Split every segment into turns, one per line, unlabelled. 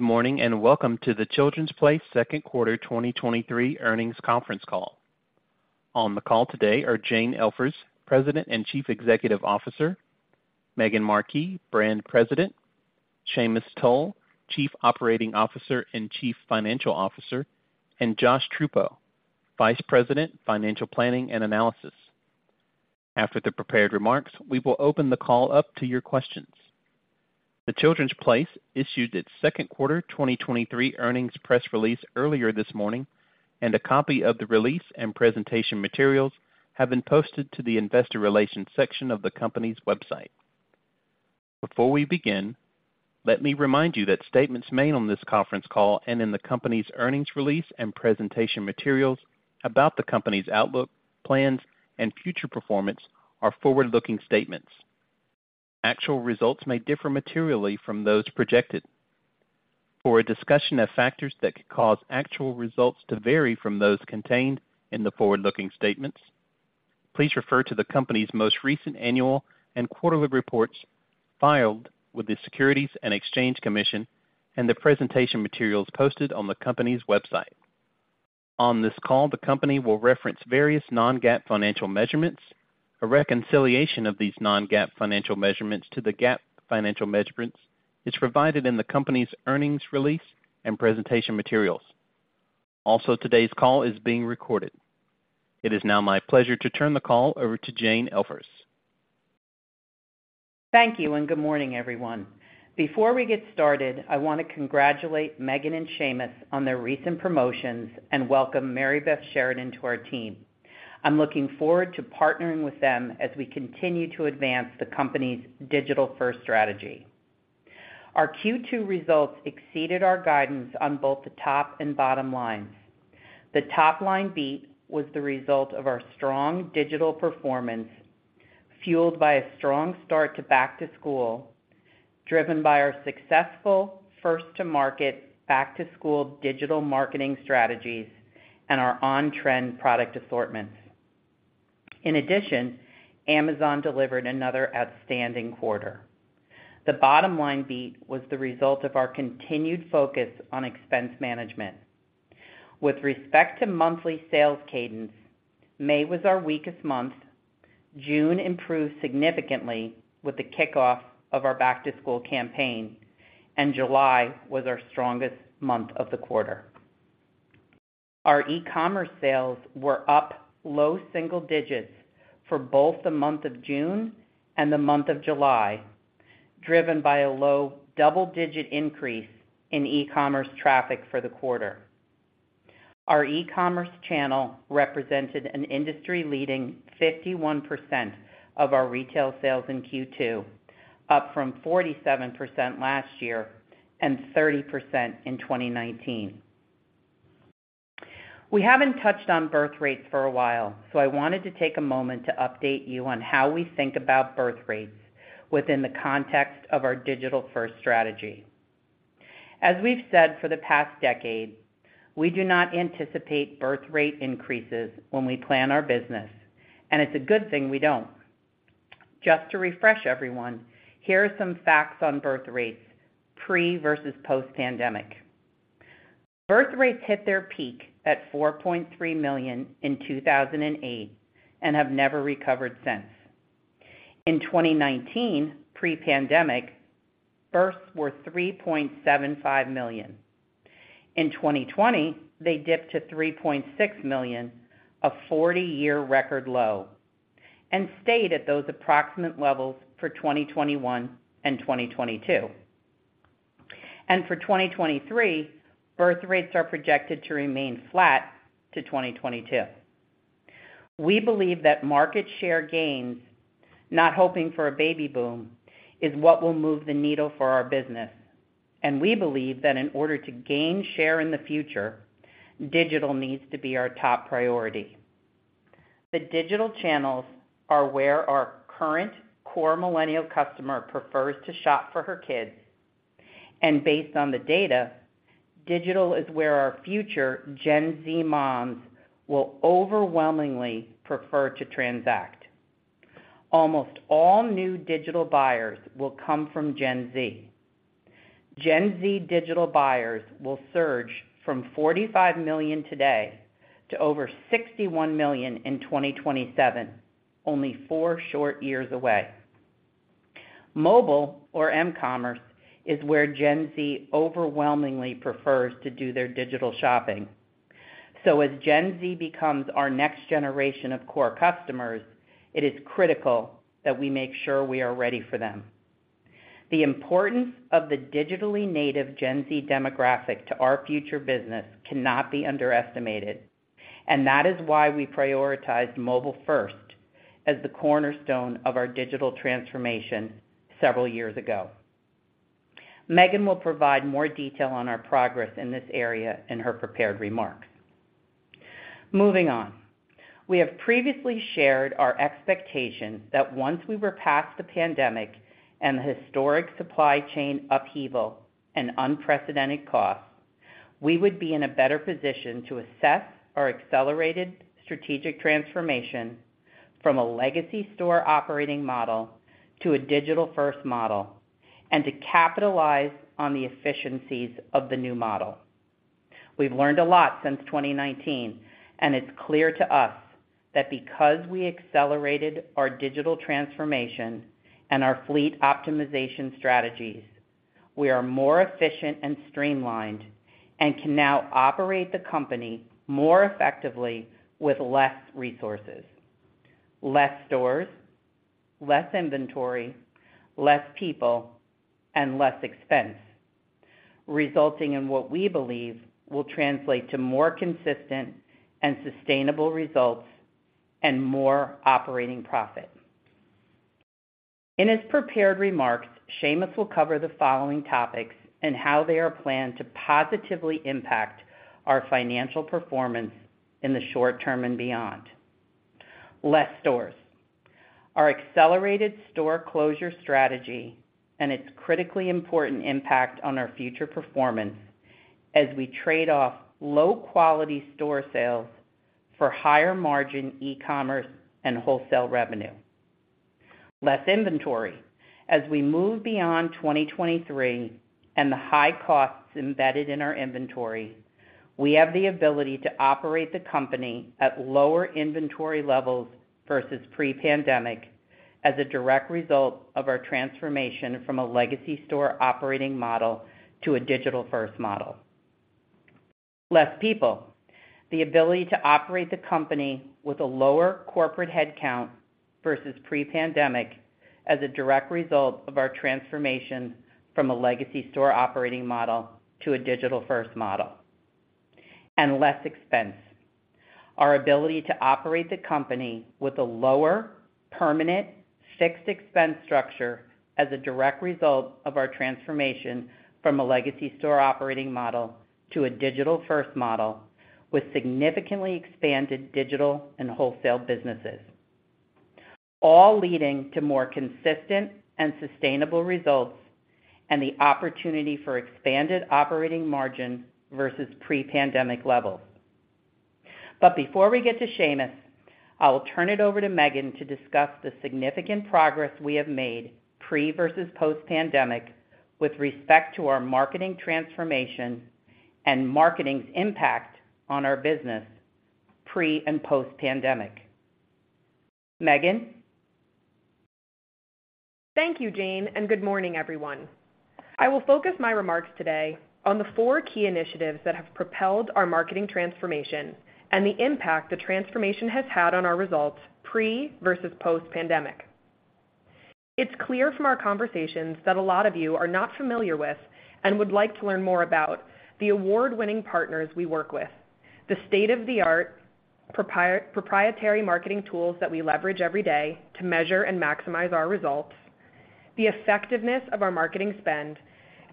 Good morning, welcome to The Children's Place second quarter 2023 earnings conference call. On the call today are Jane Elfers, President and Chief Executive Officer, Maegan Markee, Brand President, Sheamus Toal, Chief Operating Officer and Chief Financial Officer, and Josh Truppo, Vice President, Financial Planning and Analysis. After the prepared remarks, we will open the call up to your questions. The Children's Place issued its second quarter 2023 earnings press release earlier this morning, and a copy of the release and presentation materials have been posted to the Investor Relations section of the company's website. Before we begin, let me remind you that statements made on this conference call and in the company's earnings release and presentation materials about the company's outlook, plans, and future performance are forward-looking statements. Actual results may differ materially from those projected. For a discussion of factors that could cause actual results to vary from those contained in the forward-looking statements, please refer to the company's most recent annual and quarterly reports filed with the Securities and Exchange Commission and the presentation materials posted on the company's website. On this call, the company will reference various non-GAAP financial measurements. A reconciliation of these non-GAAP financial measurements to the GAAP financial measurements is provided in the company's earnings release and presentation materials. Also, today's call is being recorded. It is now my pleasure to turn the call over to Jane Elfers.
Thank you. Good morning, everyone. Before we get started, I wanna congratulate Maegan and Sheamus on their recent promotions and welcome Mary Beth Sheridan to our team. I'm looking forward to partnering with them as we continue to advance the company's digital-first strategy. Our Q2 results exceeded our guidance on both the top and bottom lines. The top line beat was the result of our strong digital performance, fueled by a strong start to Back to School, driven by our successful first-to-market Back to School digital marketing strategies and our on-trend product assortments. In addition, Amazon delivered another outstanding quarter. The bottom line beat was the result of our continued focus on expense management. With respect to monthly sales cadence, May was our weakest month, June improved significantly with the kickoff of our Back to School campaign, and July was our strongest month of the quarter. Our e-commerce sales were up low single digits for both the month of June and the month of July, driven by a low double-digit increase in e-commerce traffic for the quarter. Our e-commerce channel represented an industry-leading 51% of our retail sales in Q2, up from 47% last year and 30% in 2019. We haven't touched on birth rates for a while, I wanted to take a moment to update you on how we think about birth rates within the context of our digital-first strategy. As we've said for the past decade, we do not anticipate birth rate increases when we plan our business, it's a good thing we don't. Just to refresh everyone, here are some facts on birth rates, pre versus post-pandemic. Birth rates hit their peak at 4.3 million in 2008 and have never recovered since. In 2019, pre-pandemic, births were 3.75 million. In 2020, they dipped to 3.6 million, a 40-year record low, and stayed at those approximate levels for 2021 and 2022. For 2023, birth rates are projected to remain flat to 2022. We believe that market share gains, not hoping for a baby boom, is what will move the needle for our business, and we believe that in order to gain share in the future, digital needs to be our top priority. The digital channels are where our current core Millennial customer prefers to shop for her kids, and based on the data, digital is where our future Gen Z moms will overwhelmingly prefer to transact. Almost all new digital buyers will come from Gen Z. Gen Z digital buyers will surge from 45 million today to over 61 million in 2027, only four short years away. Mobile, or m-commerce, is where Gen Z overwhelmingly prefers to do their digital shopping. As Gen Z becomes our next generation of core customers, it is critical that we make sure we are ready for them. The importance of the digitally native Gen Z demographic to our future business cannot be underestimated, and that is why we prioritized mobile first as the cornerstone of our digital transformation several years ago. Maegan will provide more detail on our progress in this area in her prepared remarks. Moving on. We have previously shared our expectation that once we were past the pandemic and the historic supply chain upheaval and unprecedented costs. We would be in a better position to assess our accelerated strategic transformation from a legacy store operating model to a digital-first model, and to capitalize on the efficiencies of the new model. We've learned a lot since 2019. It's clear to us that because we accelerated our digital transformation and our fleet optimization strategies, we are more efficient and streamlined and can now operate the company more effectively with less resources, less stores, less inventory, less people, and less expense, resulting in what we believe will translate to more consistent and sustainable results and more operating profit. In his prepared remarks, Sheamus will cover the following topics and how they are planned to positively impact our financial performance in the short term and beyond. Less stores: our accelerated store closure strategy and its critically important impact on our future performance as we trade off low-quality store sales for higher margin e-commerce and wholesale revenue. Less inventory: as we move beyond 2023 and the high costs embedded in our inventory, we have the ability to operate the company at lower inventory levels versus pre-pandemic as a direct result of our transformation from a legacy store operating model to a digital-first model. Less people: the ability to operate the company with a lower corporate headcount versus pre-pandemic as a direct result of our transformation from a legacy store operating model to a digital-first model. Less expense: our ability to operate the company with a lower, permanent, fixed expense structure as a direct result of our transformation from a legacy store operating model to a digital-first model, with significantly expanded digital and wholesale businesses, all leading to more consistent and sustainable results and the opportunity for expanded operating margin versus pre-pandemic levels. Before we get to Sheamus, I will turn it over to Maegan to discuss the significant progress we have made pre versus post-pandemic with respect to our marketing transformation and marketing's impact on our business pre and post-pandemic. Maegan?
Thank you, Jane. Good morning, everyone. I will focus my remarks today on the four key initiatives that have propelled our marketing transformation and the impact the transformation has had on our results pre versus post-pandemic. It's clear from our conversations that a lot of you are not familiar with and would like to learn more about the award-winning partners we work with, the state-of-the-art proprietary marketing tools that we leverage every day to measure and maximize our results, the effectiveness of our marketing spend,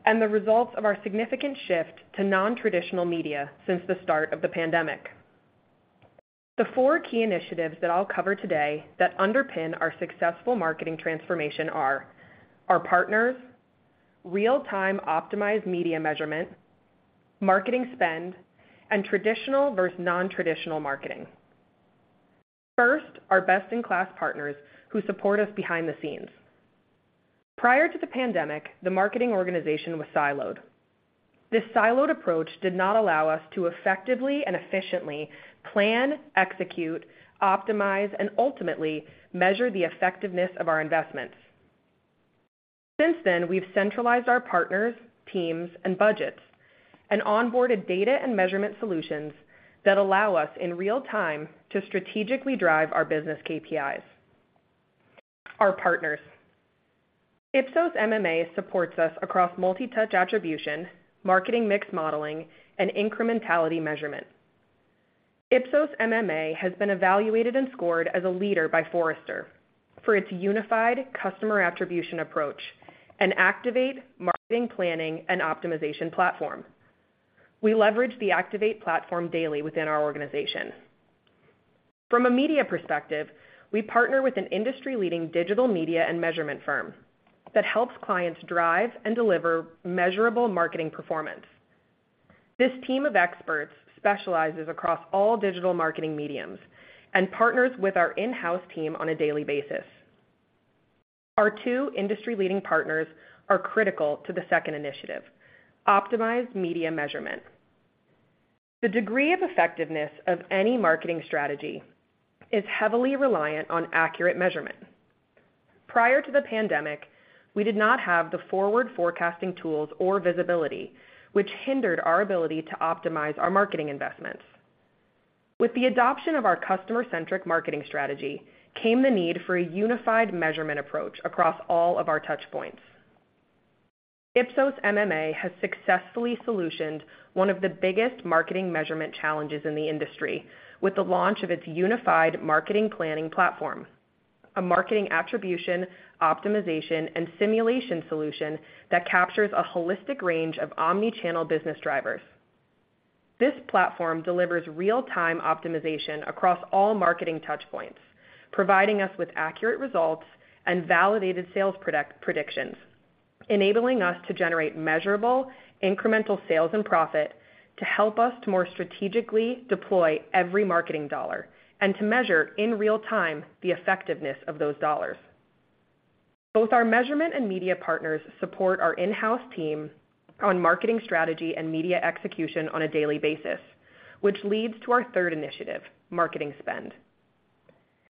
and the results of our significant shift to nontraditional media since the start of the pandemic. The four key initiatives that I'll cover today that underpin our successful marketing transformation are: our partners, real-time optimized media measurement, marketing spend, and traditional versus nontraditional marketing. First, our best-in-class partners who support us behind the scenes. Prior to the pandemic, the marketing organization was siloed. This siloed approach did not allow us to effectively and efficiently plan, execute, optimize, and ultimately measure the effectiveness of our investments. Since then, we've centralized our partners, teams, and budgets and onboarded data and measurement solutions that allow us, in real time, to strategically drive our business KPIs. Our partners. Ipsos MMA supports us across multi-touch attribution, marketing mix modeling, and incrementality measurement. Ipsos MMA has been evaluated and scored as a leader by Forrester for its unified customer attribution approach and Activate marketing planning and optimization platform. We leverage the Activate platform daily within our organization. From a media perspective, we partner with an industry-leading digital media and measurement firm that helps clients drive and deliver measurable marketing performance. This team of experts specializes across all digital marketing mediums and partners with our in-house team on a daily basis. Our two industry-leading partners are critical to the second initiative: optimized media measurement. The degree of effectiveness of any marketing strategy is heavily reliant on accurate measurement. Prior to the pandemic, we did not have the forward forecasting tools or visibility, which hindered our ability to optimize our marketing investments. With the adoption of our customer-centric marketing strategy came the need for a unified measurement approach across all of our touch points. Ipsos MMA has successfully solutioned one of the biggest marketing measurement challenges in the industry with the launch of its unified marketing planning platform, a marketing attribution, optimization, and simulation solution that captures a holistic range of omni-channel business drivers.... This platform delivers real-time optimization across all marketing touchpoints, providing us with accurate results and validated sales predictions, enabling us to generate measurable, incremental sales and profit to help us to more strategically deploy every marketing dollar and to measure, in real time, the effectiveness of those dollars. Both our measurement and media partners support our in-house team on marketing strategy and media execution on a daily basis, which leads to our third initiative, marketing spend.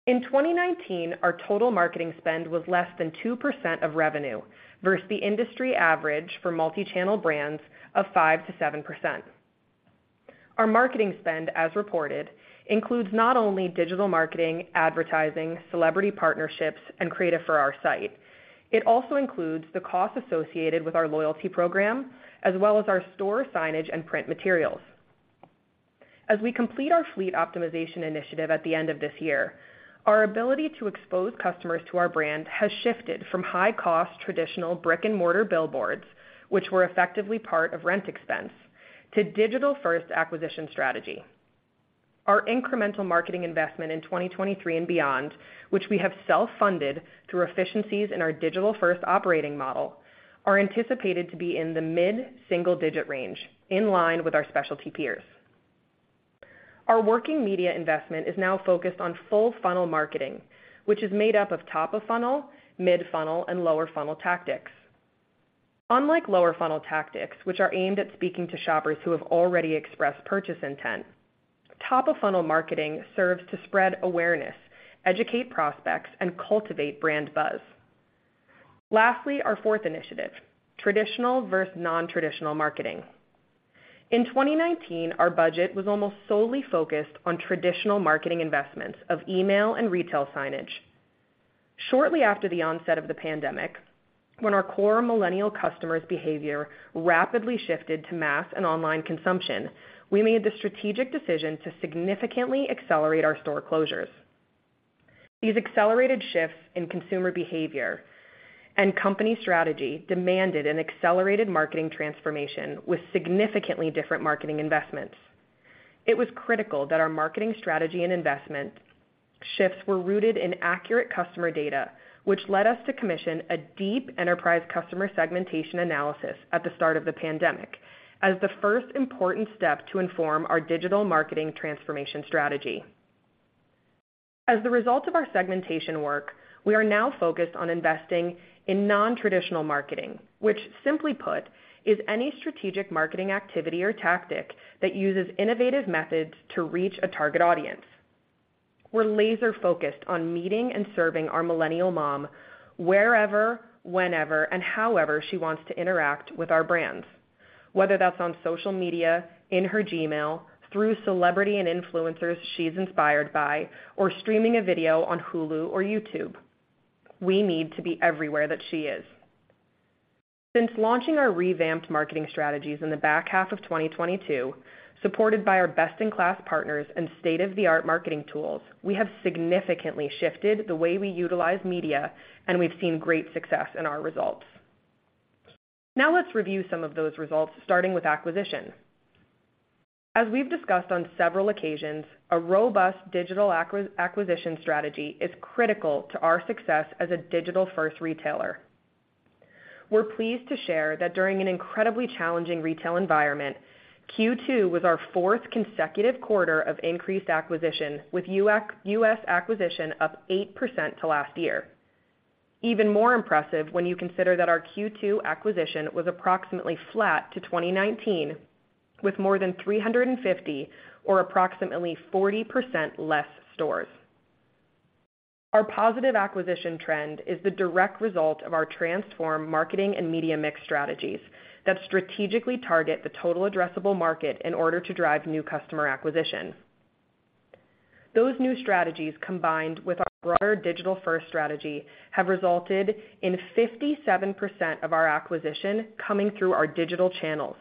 In 2019, our total marketing spend was less than 2% of revenue versus the industry average for multi-channel brands of 5%-7%. Our marketing spend, as reported, includes not only digital marketing, advertising, celebrity partnerships, and creative for our site, it also includes the costs associated with our loyalty program, as well as our store signage and print materials. As we complete our fleet optimization initiative at the end of this year, our ability to expose customers to our brand has shifted from high-cost, traditional brick-and-mortar billboards, which were effectively part of rent expense, to digital-first acquisition strategy. Our incremental marketing investment in 2023 and beyond, which we have self-funded through efficiencies in our digital-first operating model, are anticipated to be in the mid-single-digit range, in line with our specialty peers. Our working media investment is now focused on full funnel marketing, which is made up of top of funnel, mid funnel, and lower funnel tactics. Unlike lower funnel tactics, which are aimed at speaking to shoppers who have already expressed purchase intent, top of funnel marketing serves to spread awareness, educate prospects, and cultivate brand buzz. Lastly, our fourth initiative, traditional versus nontraditional marketing. In 2019, our budget was almost solely focused on traditional marketing investments of email and retail signage. Shortly after the onset of the pandemic, when our core Millennial customers' behavior rapidly shifted to mass and online consumption, we made the strategic decision to significantly accelerate our store closures. These accelerated shifts in consumer behavior and company strategy demanded an accelerated marketing transformation with significantly different marketing investments. It was critical that our marketing strategy and investment shifts were rooted in accurate customer data, which led us to commission a deep enterprise customer segmentation analysis at the start of the pandemic as the first important step to inform our digital marketing transformation strategy. As a result of our segmentation work, we are now focused on investing in nontraditional marketing, which simply put, is any strategic marketing activity or tactic that uses innovative methods to reach a target audience. We're laser-focused on meeting and serving our Millennial mom wherever, whenever, and however she wants to interact with our brands, whether that's on social media, in her Gmail, through celebrity and influencers she's inspired by, or streaming a video on Hulu or YouTube. We need to be everywhere that she is. Since launching our revamped marketing strategies in the back half of 2022, supported by our best-in-class partners and state-of-the-art marketing tools, we have significantly shifted the way we utilize media. We've seen great success in our results. Now let's review some of those results, starting with acquisition. As we've discussed on several occasions, a robust digital acquisition strategy is critical to our success as a digital-first retailer. We're pleased to share that during an incredibly challenging retail environment, Q2 was our fourth consecutive quarter of increased acquisition, with U.S. acquisition up 8% to last year. Even more impressive when you consider that our Q2 acquisition was approximately flat to 2019, with more than 350 or approximately 40% less stores. Our positive acquisition trend is the direct result of our transformed marketing and media mix strategies that strategically target the total addressable market in order to drive new customer acquisition. Those new strategies, combined with our broader digital-first strategy, have resulted in 57% of our acquisition coming through our digital channels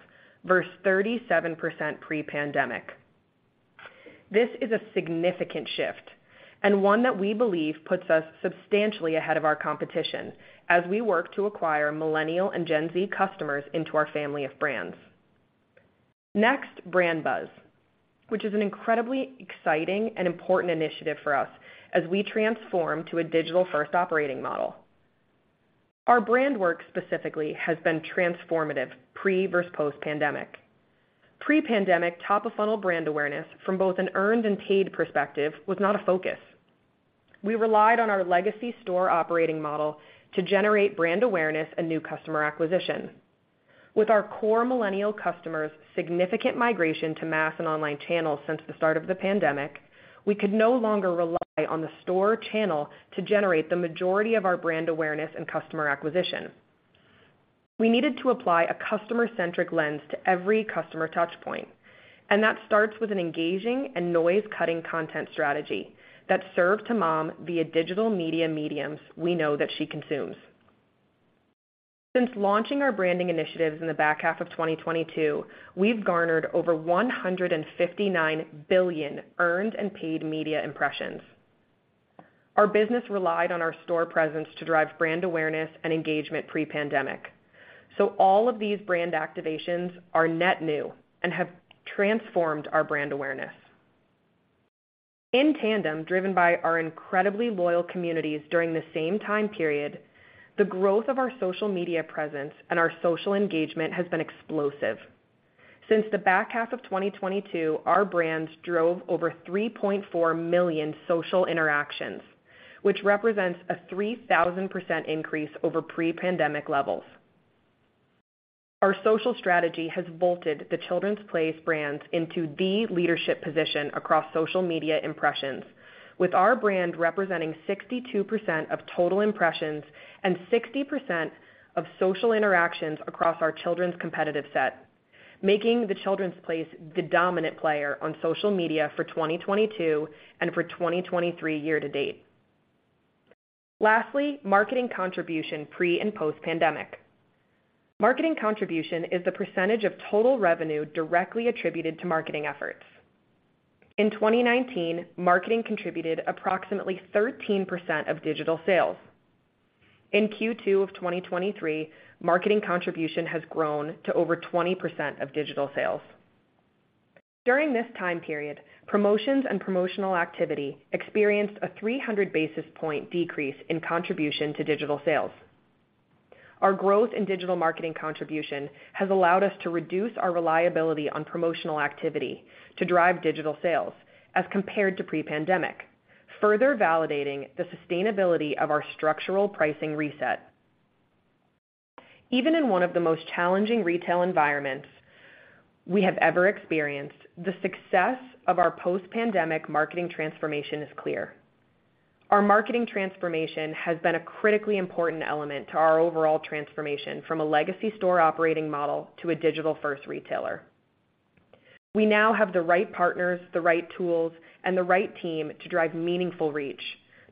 versus 37% pre-pandemic. This is a significant shift and one that we believe puts us substantially ahead of our competition as we work to acquire Millennial and Gen Z customers into our family of brands. Next, brand buzz, which is an incredibly exciting and important initiative for us as we transform to a digital-first operating model. Our brand work specifically has been transformative, pre versus post-pandemic. Pre-pandemic, top-of-funnel brand awareness from both an earned and paid perspective, was not a focus. We relied on our legacy store operating model to generate brand awareness and new customer acquisition. With our core Millennial customers' significant migration to mass and online channels since the start of the pandemic, we could no longer rely on the store channel to generate the majority of our brand awareness and customer acquisition. We needed to apply a customer-centric lens to every customer touch point. That starts with an engaging and noise-cutting content strategy that served to mom via digital media mediums we know that she consumes. Since launching our branding initiatives in the back half of 2022, we've garnered over 159 billion earned and paid media impressions. Our business relied on our store presence to drive brand awareness and engagement pre-pandemic. All of these brand activations are net new and have transformed our brand awareness. In tandem, driven by our incredibly loyal communities during the same time period, the growth of our social media presence and our social engagement has been explosive. Since the back half of 2022, our brands drove over 3.4 million social interactions, which represents a 3,000% increase over pre-pandemic levels. Our social strategy has vaulted The Children's Place brands into the leadership position across social media impressions, with our brand representing 62% of total impressions and 60% of social interactions across our children's competitive set, making The Children's Place the dominant player on social media for 2022 and for 2023 year to date. Lastly, marketing contribution pre- and post-pandemic. Marketing contribution is the percentage of total revenue directly attributed to marketing efforts. In 2019, marketing contributed approximately 13% of digital sales. In Q2 of 2023, marketing contribution has grown to over 20% of digital sales. During this time period, promotions and promotional activity experienced a 300 basis point decrease in contribution to digital sales. Our growth in digital marketing contribution has allowed us to reduce our reliability on promotional activity to drive digital sales as compared to pre-pandemic, further validating the sustainability of our structural pricing reset. Even in one of the most challenging retail environments we have ever experienced, the success of our post-pandemic marketing transformation is clear. Our marketing transformation has been a critically important element to our overall transformation from a legacy store operating model to a digital-first retailer. We now have the right partners, the right tools, and the right team to drive meaningful reach,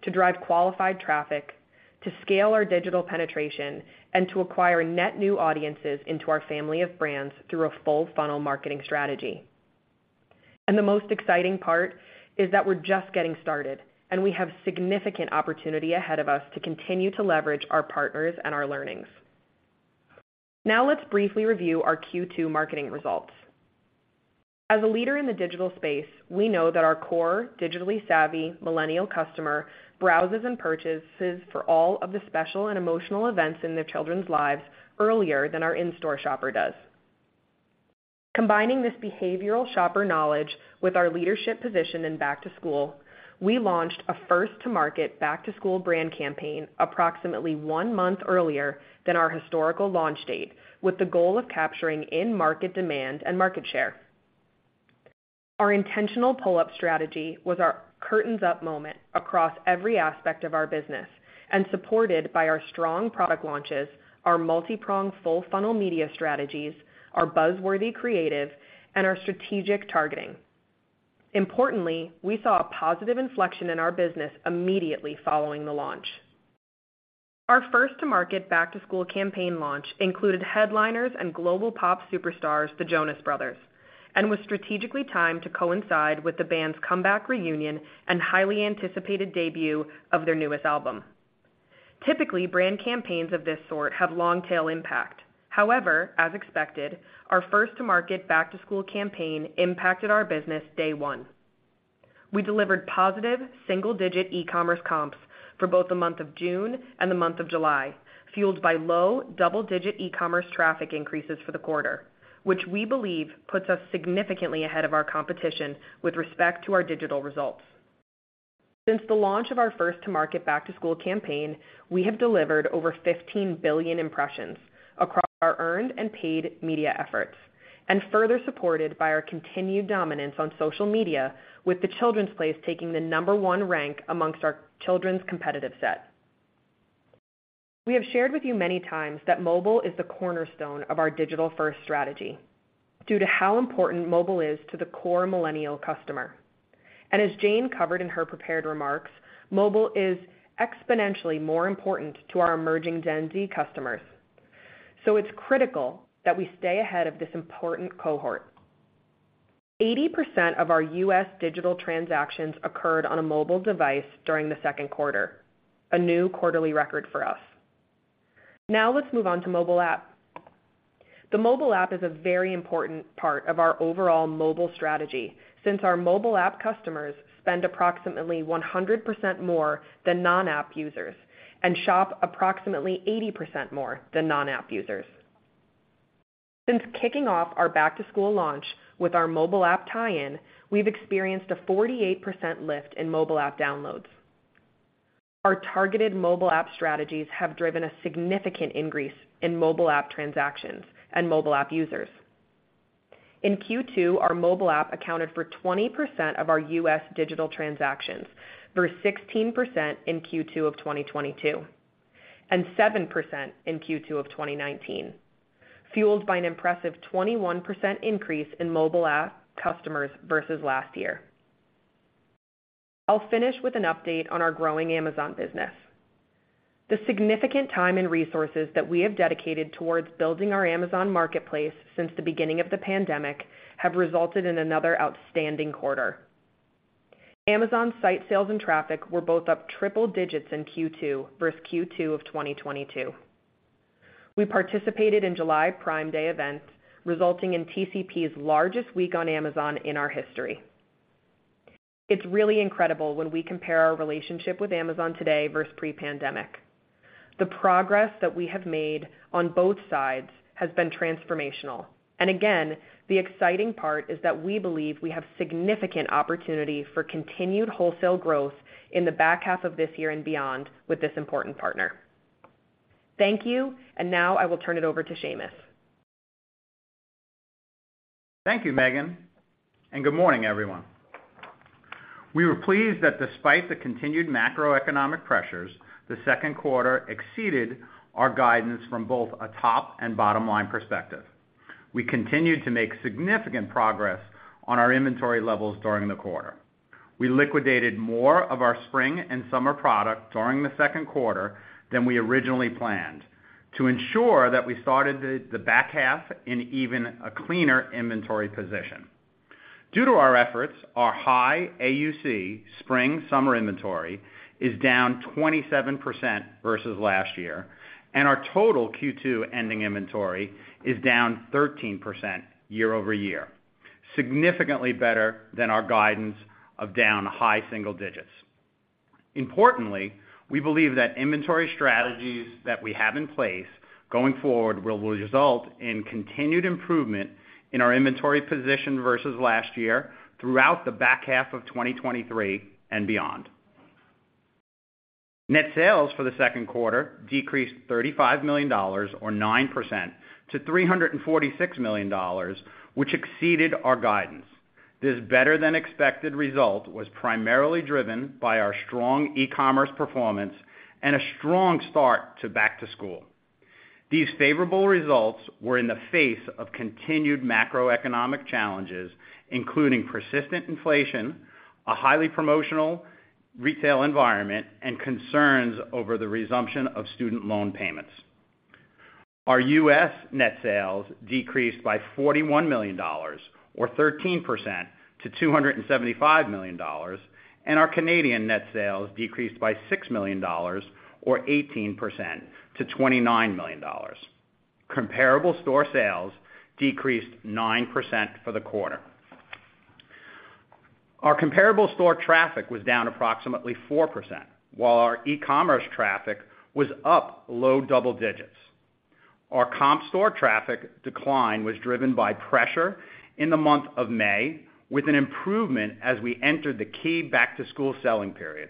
to drive qualified traffic, to scale our digital penetration, and to acquire net new audiences into our family of brands through a full funnel marketing strategy. The most exciting part is that we're just getting started, and we have significant opportunity ahead of us to continue to leverage our partners and our learnings. Now, let's briefly review our Q2 marketing results. As a leader in the digital space, we know that our core, digitally savvy Millennial customer browses and purchases for all of the special and emotional events in their children's lives earlier than our in-store shopper does. Combining this behavioral shopper knowledge with our leadership position in Back to School, we launched a first-to-market Back to School brand campaign approximately one month earlier than our historical launch date, with the goal of capturing in-market demand and market share. Our intentional pull-up strategy was our curtains up moment across every aspect of our business and supported by our strong product launches, our multipronged full funnel media strategies, our buzz-worthy creative, and our strategic targeting. Importantly, we saw a positive inflection in our business immediately following the launch. Our first-to-market Back to School campaign launch included headliners and global pop superstars, the Jonas Brothers, and was strategically timed to coincide with the band's comeback reunion and highly anticipated debut of their newest album. Typically, brand campaigns of this sort have long tail impact. However, as expected, our first-to-market Back to School campaign impacted our business day one. We delivered positive single-digit e-commerce comps for both the month of June and the month of July, fueled by low double-digit e-commerce traffic increases for the quarter, which we believe puts us significantly ahead of our competition with respect to our digital results. Since the launch of our first-to-market Back to School campaign, we have delivered over 15 billion impressions across our earned and paid media efforts, and further supported by our continued dominance on social media, with The Children's Place taking the number one rank amongst our children's competitive set. We have shared with you many times that mobile is the cornerstone of our digital-first strategy due to how important mobile is to the core Millennial customer. As Jane covered in her prepared remarks, mobile is exponentially more important to our emerging Gen Z customers. It's critical that we stay ahead of this important cohort. 80% of our U.S. digital transactions occurred on a mobile device during the second quarter, a new quarterly record for us. Now, let's move on to mobile app. The mobile app is a very important part of our overall mobile strategy since our mobile app customers spend approximately 100% more than non-app users and shop approximately 80% more than non-app users. Since kicking off our Back to School launch with our mobile app tie-in, we've experienced a 48% lift in mobile app downloads. Our targeted mobile app strategies have driven a significant increase in mobile app transactions and mobile app users. In Q2, our mobile app accounted for 20% of our U.S. digital transactions, versus 16% in Q2 of 2022, and 7% in Q2 of 2019, fueled by an impressive 21% increase in mobile app customers versus last year. I'll finish with an update on our growing Amazon business. The significant time and resources that we have dedicated towards building our Amazon Marketplace since the beginning of the pandemic have resulted in another outstanding quarter. Amazon site sales and traffic were both up triple digits in Q2 versus Q2 of 2022. We participated in July Prime Day events, resulting in TCP's largest week on Amazon in our history. It's really incredible when we compare our relationship with Amazon today versus pre-pandemic. The progress that we have made on both sides has been transformational, and again, the exciting part is that we believe we have significant opportunity for continued wholesale growth in the back half of this year and beyond with this important partner. Thank you, and now I will turn it over to Sheamus.
Thank you, Maegan, good morning, everyone. We were pleased that despite the continued macroeconomic pressures, the second quarter exceeded our guidance from both a top and bottom-line perspective. We continued to make significant progress on our inventory levels during the quarter. We liquidated more of our spring and summer product during the second quarter than we originally planned to ensure that we started the back half in even a cleaner inventory position. Due to our efforts, our high AUC spring/summer inventory is down 27% versus last year, and our total Q2 ending inventory is down 13% year-over-year, significantly better than our guidance of down high single digits. Importantly, we believe that inventory strategies that we have in place going forward will result in continued improvement in our inventory position versus last year throughout the back half of 2023 and beyond. Net sales for the second quarter decreased $35 million or 9% to $346 million, which exceeded our guidance. This better-than-expected result was primarily driven by our strong e-commerce performance and a strong start to Back to School. These favorable results were in the face of continued macroeconomic challenges, including persistent inflation, a highly promotional retail environment, and concerns over the resumption of student loan payments. Our U.S. net sales decreased by $41 million, or 13% to $275 million, and our Canadian net sales decreased by $6 million or 18% to $29 million. Comparable store sales decreased 9% for the quarter. Our comparable store traffic was down approximately 4%, while our e-commerce traffic was up low double digits. Our comp store traffic decline was driven by pressure in the month of May, with an improvement as we entered the key Back to School selling period.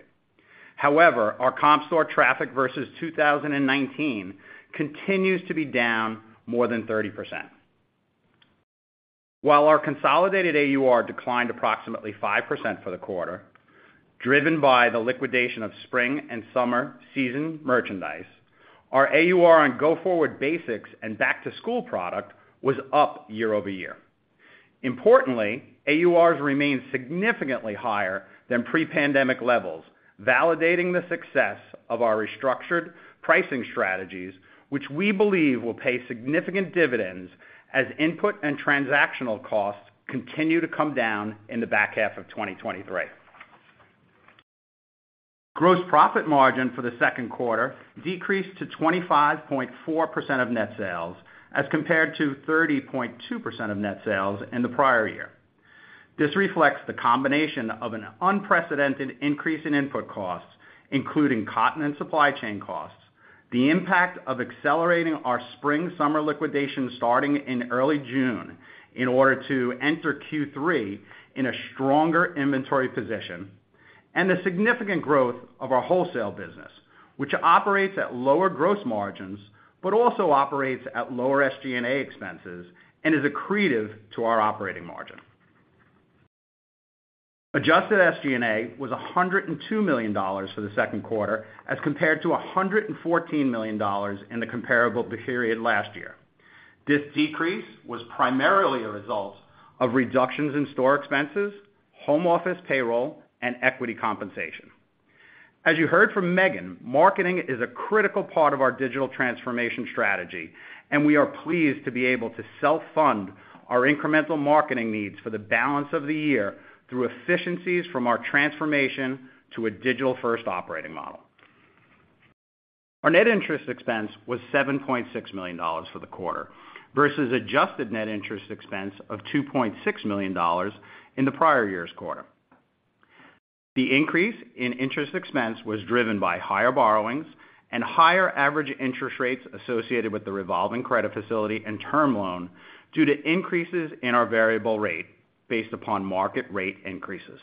However, our comp store traffic versus 2019 continues to be down more than 30%. While our consolidated AUR declined approximately 5% for the quarter, driven by the liquidation of spring and summer season merchandise, our AUR on go-forward basics and Back to School product was up year-over-year. Importantly, AURs remain significantly higher than pre-pandemic levels, validating the success of our restructured pricing strategies, which we believe will pay significant dividends as input and transactional costs continue to come down in the back half of 2023. Gross profit margin for the second quarter decreased to 25.4% of net sales, as compared to 30.2% of net sales in the prior year. This reflects the combination of an unprecedented increase in input costs, including cotton and supply chain costs, the impact of accelerating our spring/summer liquidation starting in early June in order to enter Q3 in a stronger inventory position, and the significant growth of our wholesale business, which operates at lower gross margins, but also operates at lower SG&A expenses and is accretive to our operating margin. Adjusted SG&A was $102 million for the second quarter, as compared to $114 million in the comparable period last year. This decrease was primarily a result of reductions in store expenses, home office payroll, and equity compensation. As you heard from Maegan, marketing is a critical part of our digital transformation strategy, and we are pleased to be able to self-fund our incremental marketing needs for the balance of the year through efficiencies from our transformation to a digital-first operating model. Our net interest expense was $7.6 million for the quarter, versus adjusted net interest expense of $2.6 million in the prior year's quarter. The increase in interest expense was driven by higher borrowings and higher average interest rates associated with the revolving credit facility and term loan due to increases in our variable rate based upon market rate increases.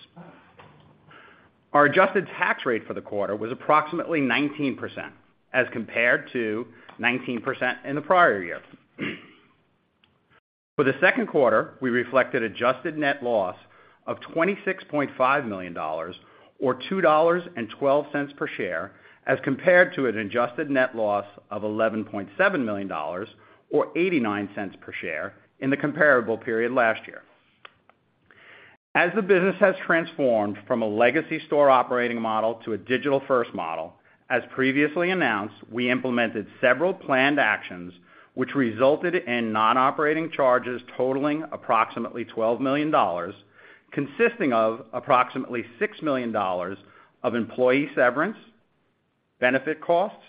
Our adjusted tax rate for the quarter was approximately 19%, as compared to 19% in the prior year. For the second quarter, we reflected adjusted net loss of $26.5 million or $2.12 per share, as compared to an adjusted net loss of $11.7 million or $0.89 per share in the comparable period last year. As the business has transformed from a legacy store operating model to a digital-first model, as previously announced, we implemented several planned actions, which resulted in non-operating charges totaling approximately $12 million, consisting of approximately $6 million of employee severance, benefit costs,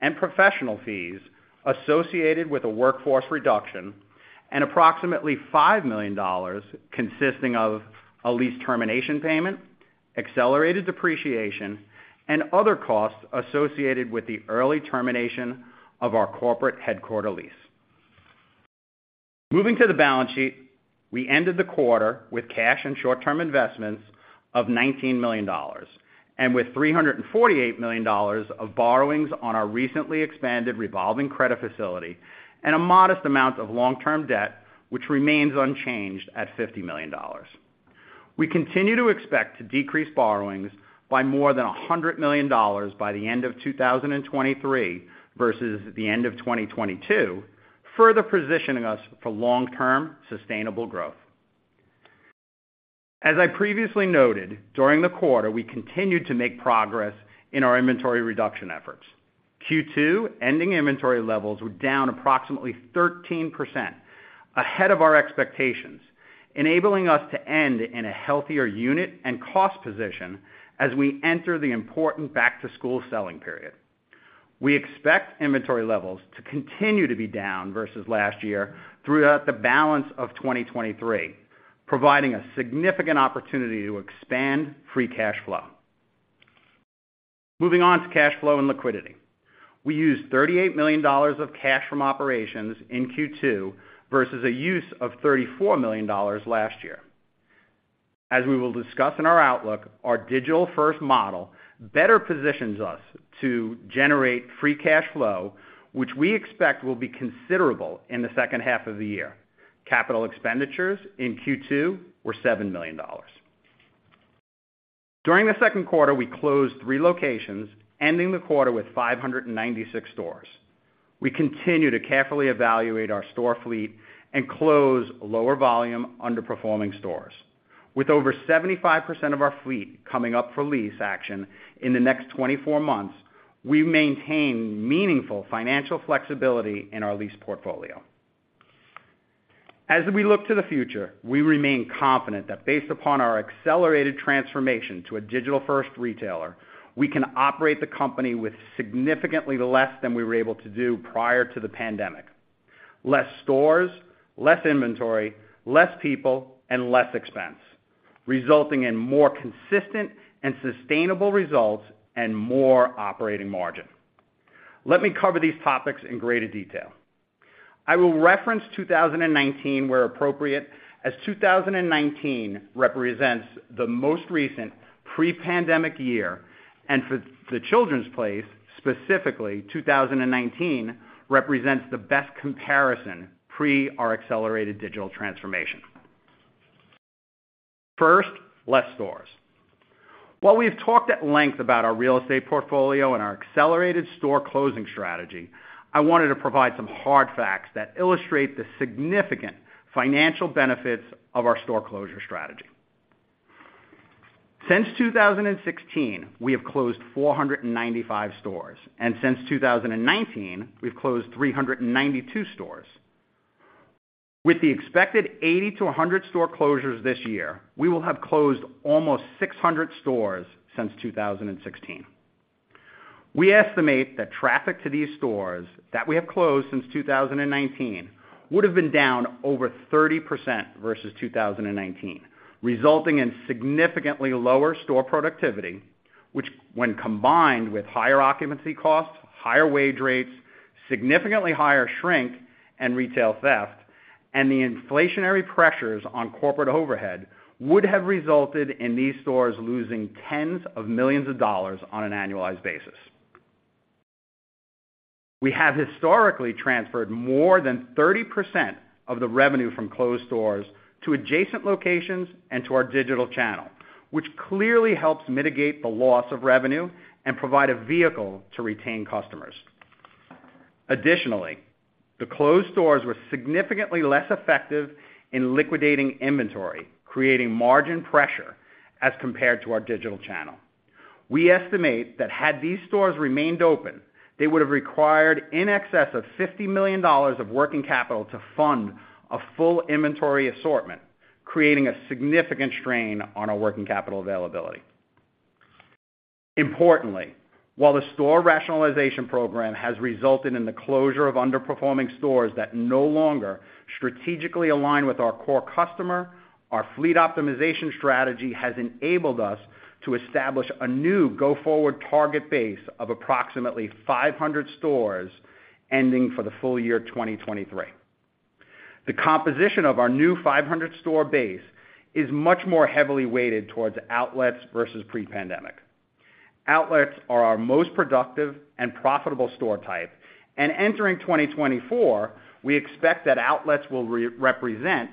and professional fees associated with a workforce reduction, and approximately $5 million consisting of a lease termination payment, accelerated depreciation, and other costs associated with the early termination of our corporate headquarter lease. Moving to the balance sheet, we ended the quarter with cash and short-term investments of $19 million, and with $348 million of borrowings on our recently expanded revolving credit facility and a modest amount of long-term debt, which remains unchanged at $50 million. We continue to expect to decrease borrowings by more than $100 million by the end of 2023 versus the end of 2022, further positioning us for long-term sustainable growth. As I previously noted, during the quarter, we continued to make progress in our inventory reduction efforts. Q2, ending inventory levels were down approximately 13%, ahead of our expectations, enabling us to end in a healthier unit and cost position as we enter the important Back to School selling period. We expect inventory levels to continue to be down versus last year throughout the balance of 2023, providing a significant opportunity to expand free cash flow. Moving on to cash flow and liquidity. We used $38 million of cash from operations in Q2 versus a use of $34 million last year. As we will discuss in our outlook, our digital-first model better positions us to generate free cash flow, which we expect will be considerable in the second half of the year. Capital expenditures in Q2 were $7 million. During the second quarter, we closed three locations, ending the quarter with 596 stores. We continue to carefully evaluate our store fleet and close lower volume, underperforming stores. With over 75% of our fleet coming up for lease action in the next 24 months, we maintain meaningful financial flexibility in our lease portfolio. As we look to the future, we remain confident that based upon our accelerated transformation to a digital-first retailer, we can operate the company with significantly less than we were able to do prior to the pandemic. Less stores, less inventory, less people, and less expense, resulting in more consistent and sustainable results and more operating margin. Let me cover these topics in greater detail. I will reference 2019 where appropriate, as 2019 represents the most recent pre-pandemic year, and for The Children's Place, specifically, 2019 represents the best comparison pre our accelerated digital transformation. First, less stores. While we've talked at length about our real estate portfolio and our accelerated store closing strategy, I wanted to provide some hard facts that illustrate the significant financial benefits of our store closure strategy. Since 2016, we have closed 495 stores, and since 2019, we've closed 392 stores. With the expected 80 to 100 store closures this year, we will have closed almost 600 stores since 2016. We estimate that traffic to these stores that we have closed since 2019 would have been down over 30% versus 2019, resulting in significantly lower store productivity, which when combined with higher occupancy costs, higher wage rates, significantly higher shrink and retail theft, and the inflationary pressures on corporate overhead, would have resulted in these stores losing tens of millions of dollars on an annualized basis. We have historically transferred more than 30% of the revenue from closed stores to adjacent locations and to our digital channel, which clearly helps mitigate the loss of revenue and provide a vehicle to retain customers. Additionally, the closed stores were significantly less effective in liquidating inventory, creating margin pressure as compared to our digital channel. We estimate that had these stores remained open, they would have required in excess of $50 million of working capital to fund a full inventory assortment, creating a significant strain on our working capital availability. Importantly, while the store rationalization program has resulted in the closure of underperforming stores that no longer strategically align with our core customer, our fleet optimization strategy has enabled us to establish a new go-forward target base of approximately 500 stores, ending for the full-year, 2023. The composition of our new 500 store base is much more heavily weighted towards outlets versus pre-pandemic. Outlets are our most productive and profitable store type, and entering 2024, we expect that outlets will represent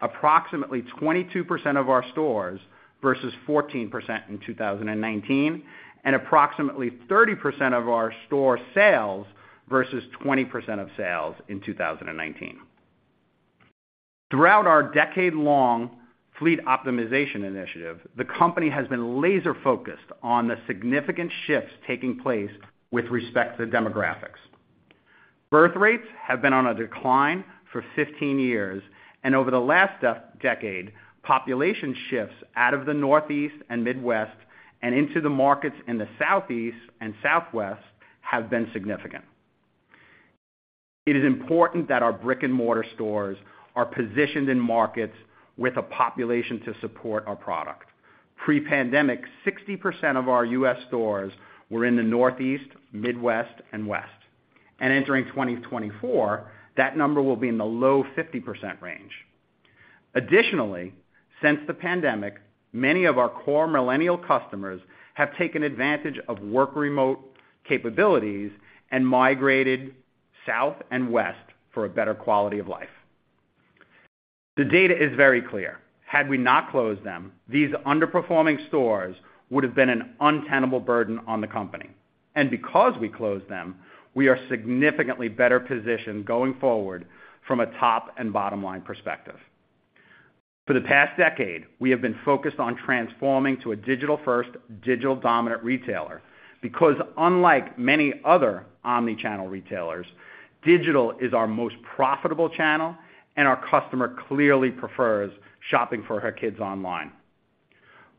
approximately 22% of our stores, versus 14% in 2019, and approximately 30% of our store sales versus 20% of sales in 2019. Throughout our decade-long fleet optimization initiative, the company has been laser-focused on the significant shifts taking place with respect to demographics. Birth rates have been on a decline for 15 years, and over the last decade, population shifts out of the Northeast and Midwest and into the markets in the Southeast and Southwest have been significant. It is important that our brick-and-mortar stores are positioned in markets with a population to support our product. Pre-pandemic, 60% of our U.S. stores were in the Northeast, Midwest, and West, and entering 2024, that number will be in the low 50% range. Additionally, since the pandemic, many of our core Millennial customers have taken advantage of work remote capabilities and migrated south and west for a better quality of life. The data is very clear: had we not closed them, these underperforming stores would have been an untenable burden on the company, and because we closed them, we are significantly better positioned going forward from a top and bottom line perspective. For the past decade, we have been focused on transforming to a digital-first, digital-dominant retailer, because unlike many other omni-channel retailers, digital is our most profitable channel, and our customer clearly prefers shopping for her kids online.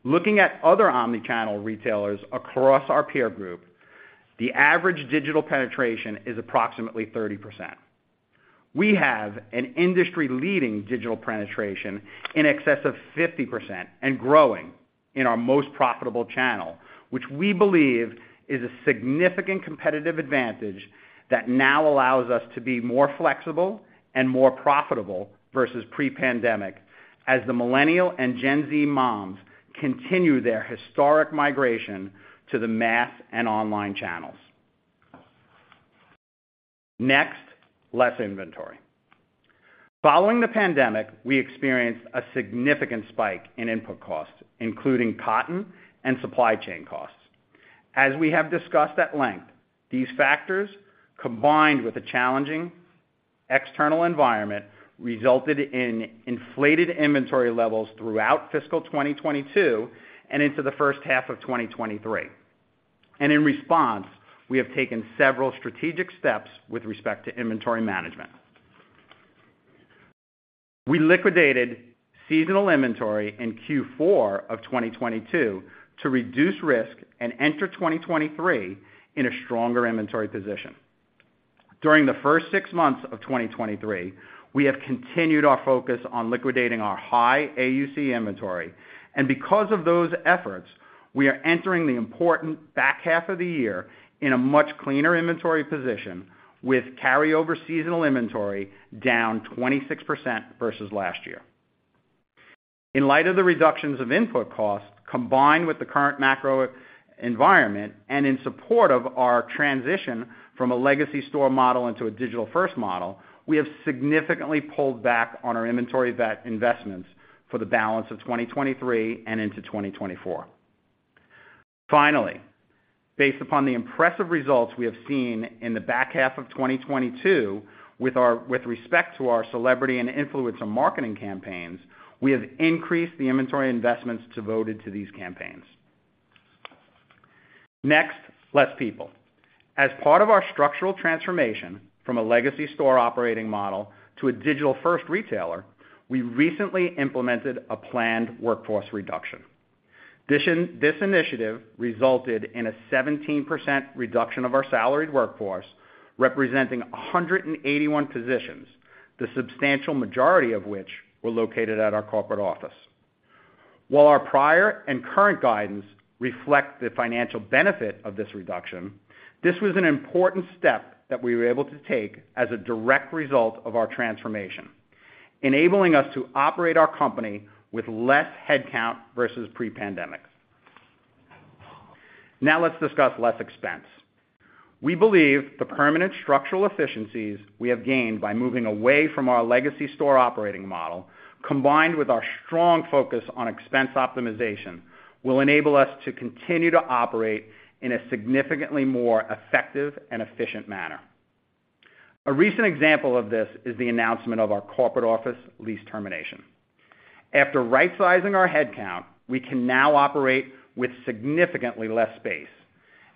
Looking at other omni-channel retailers across our peer group, the average digital penetration is approximately 30%. We have an industry-leading digital penetration in excess of 50% and growing in our most profitable channel, which we believe is a significant competitive advantage that now allows us to be more flexible and more profitable versus pre-pandemic, as the Millennial and Gen Z moms continue their historic migration to the mass and online channels. Less inventory. Following the pandemic, we experienced a significant spike in input costs, including cotton and supply chain costs. As we have discussed at length, these factors, combined with a challenging external environment, resulted in inflated inventory levels throughout fiscal year 2022 and into the first half of 2023. In response, we have taken several strategic steps with respect to inventory management. We liquidated seasonal inventory in Q4 of 2022 to reduce risk and enter 2023 in a stronger inventory position. During the first six months of 2023, we have continued our focus on liquidating our high AUC inventory. Because of those efforts, we are entering the important back half of the year in a much cleaner inventory position, with carryover seasonal inventory down 26% versus last year. In light of the reductions of input costs, combined with the current macro environment, in support of our transition from a legacy store model into a digital-first model, we have significantly pulled back on our inventory net investments for the balance of 2023 and into 2024. Based upon the impressive results we have seen in the back half of 2022, with respect to our celebrity and influencer marketing campaigns, we have increased the inventory investments devoted to these campaigns. Less people. As part of our structural transformation from a legacy store operating model to a digital-first retailer, we recently implemented a planned workforce reduction. This initiative resulted in a 17% reduction of our salaried workforce, representing 181 positions, the substantial majority of which were located at our corporate office. While our prior and current guidance reflect the financial benefit of this reduction, this was an important step that we were able to take as a direct result of our transformation, enabling us to operate our company with less headcount versus pre-pandemic. Let's discuss less expense. We believe the permanent structural efficiencies we have gained by moving away from our legacy store operating model, combined with our strong focus on expense optimization, will enable us to continue to operate in a significantly more effective and efficient manner. A recent example of this is the announcement of our corporate office lease termination. After right sizing our headcount, we can now operate with significantly less space,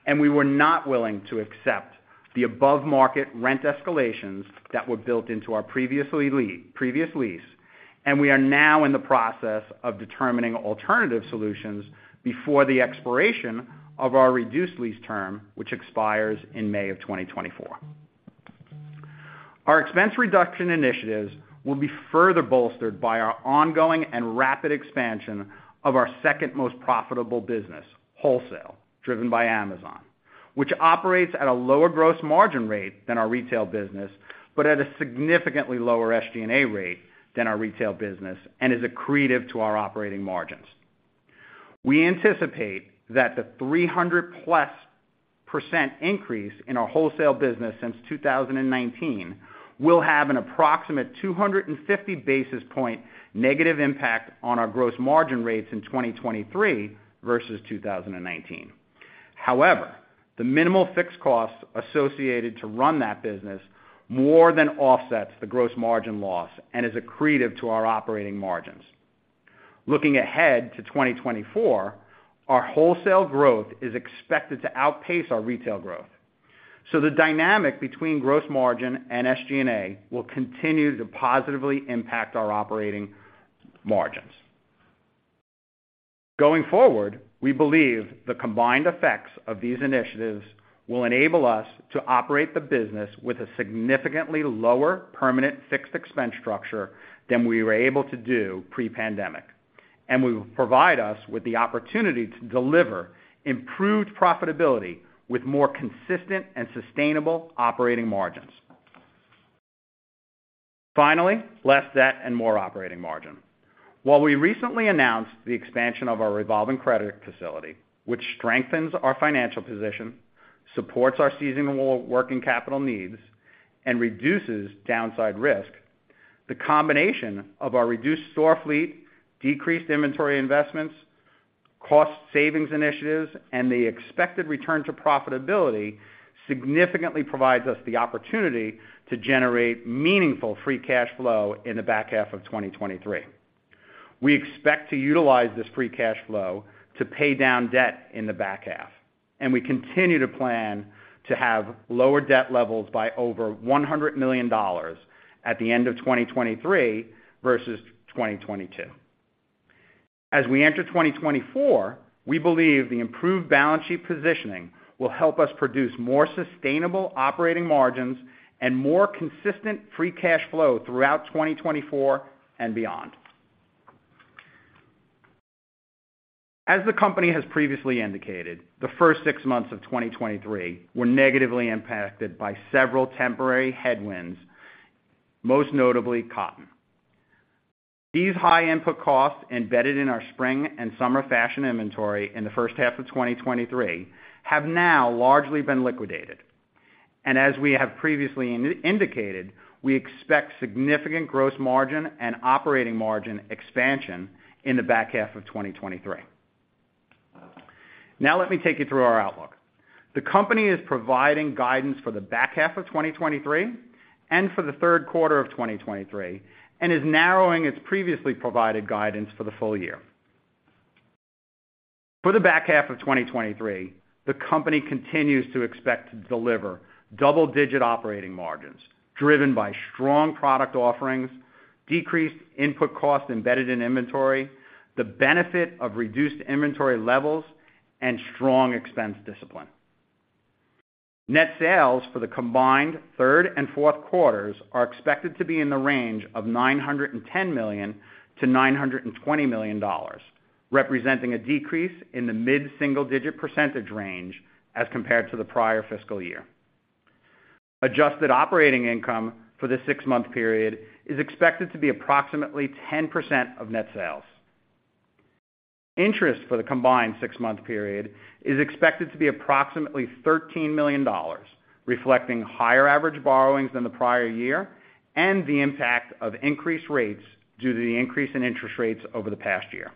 and we were not willing to accept the above-market rent escalations that were built into our previously previous lease, and we are now in the process of determining alternative solutions before the expiration of our reduced lease term, which expires in May of 2024. Our expense reduction initiatives will be further bolstered by our ongoing and rapid expansion of our second most profitable business, wholesale, driven by Amazon, which operates at a lower gross margin rate than our retail business, but at a significantly lower SG&A rate than our retail business and is accretive to our operating margins. We anticipate that the 300%+ increase in our wholesale business since 2019 will have an approximate 250 basis point negative impact on our gross margin rates in 2023 versus 2019. However, the minimal fixed costs associated to run that business more than offsets the gross margin loss and is accretive to our operating margins. Looking ahead to 2024, our wholesale growth is expected to outpace our retail growth. The dynamic between gross margin and SG&A will continue to positively impact our operating margins. Going forward, we believe the combined effects of these initiatives will enable us to operate the business with a significantly lower permanent fixed expense structure than we were able to do pre-pandemic, and will provide us with the opportunity to deliver improved profitability with more consistent and sustainable operating margins. Less debt and more operating margin. While we recently announced the expansion of our revolving credit facility, which strengthens our financial position, supports our seasonal working capital needs, and reduces downside risk, the combination of our reduced store fleet, decreased inventory investments, cost savings initiatives, and the expected return to profitability significantly provides us the opportunity to generate meaningful free cash flow in the back half of 2023. We expect to utilize this free cash flow to pay down debt in the back half. We continue to plan to have lower debt levels by over $100 million at the end of 2023 versus 2022. As we enter 2024, we believe the improved balance sheet positioning will help us produce more sustainable operating margins and more consistent free cash flow throughout 2024 and beyond. As the company has previously indicated, the first six months of 2023 were negatively impacted by several temporary headwinds, most notably cotton. These high input costs, embedded in our spring and summer fashion inventory in the first half of 2023, have now largely been liquidated. As we have previously indicated, we expect significant gross margin and operating margin expansion in the back half of 2023. Let me take you through our outlook. The company is providing guidance for the back half of 2023 and for the third quarter of 2023, and is narrowing its previously provided guidance for the full-year. For the back half of 2023, the company continues to expect to deliver double-digit operating margins, driven by strong product offerings, decreased input costs embedded in inventory, the benefit of reduced inventory levels, and strong expense discipline. Net sales for the combined third and fourth quarters are expected to be in the range of $910 million-$920 million, representing a decrease in the mid-single-digit percentage range as compared to the prior fiscal year. Adjusted operating income for the six-month period is expected to be approximately 10% of net sales. Interest for the combined six-month period is expected to be approximately $13 million, reflecting higher average borrowings than the prior year and the impact of increased rates due to the increase in interest rates over the past year.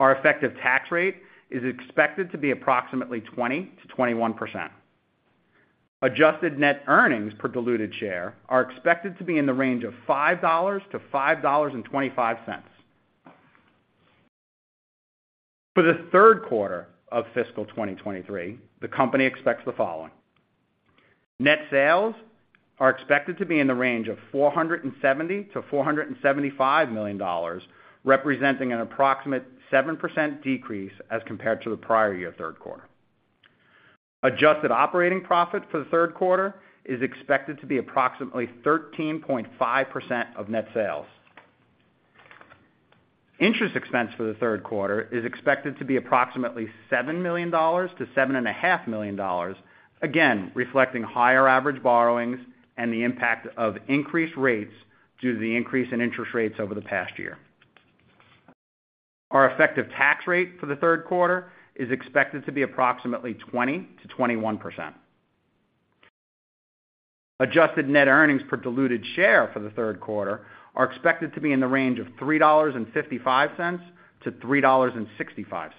Our effective tax rate is expected to be approximately 20%-21%. Adjusted net earnings per diluted share are expected to be in the range of $5.00-$5.25. For the third quarter of fiscal year 2023, the company expects the following: Net sales are expected to be in the range of $470 million-$475 million, representing an approximate 7% decrease as compared to the prior year third quarter. Adjusted operating profit for the third quarter is expected to be approximately 13.5% of net sales. Interest expense for the third quarter is expected to be approximately $7 million-$7.5 million, again, reflecting higher average borrowings and the impact of increased rates due to the increase in interest rates over the past year. Our effective tax rate for the third quarter is expected to be approximately 20%-21%. Adjusted net earnings per diluted share for the third quarter are expected to be in the range of $3.55-$3.65.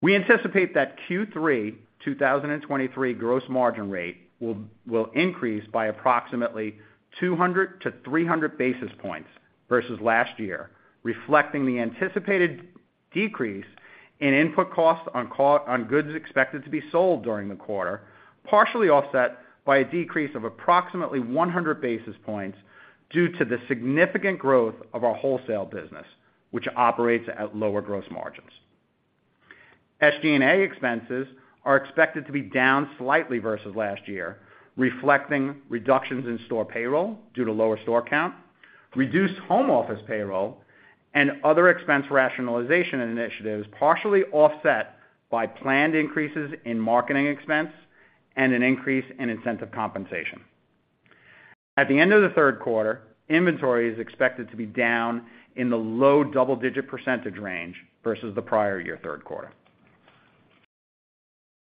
We anticipate that Q3 2023 gross margin rate will increase by approximately 200-300 basis points versus last year, reflecting the anticipated decrease in input costs on goods expected to be sold during the quarter, partially offset by a decrease of approximately 100 basis points due to the significant growth of our wholesale business, which operates at lower gross margins. SG&A expenses are expected to be down slightly versus last year, reflecting reductions in store payroll due to lower store count, reduced home office payroll, and other expense rationalization initiatives, partially offset by planned increases in marketing expense and an increase in incentive compensation. At the end of the third quarter, inventory is expected to be down in the low double-digit percentage range versus the prior year third quarter.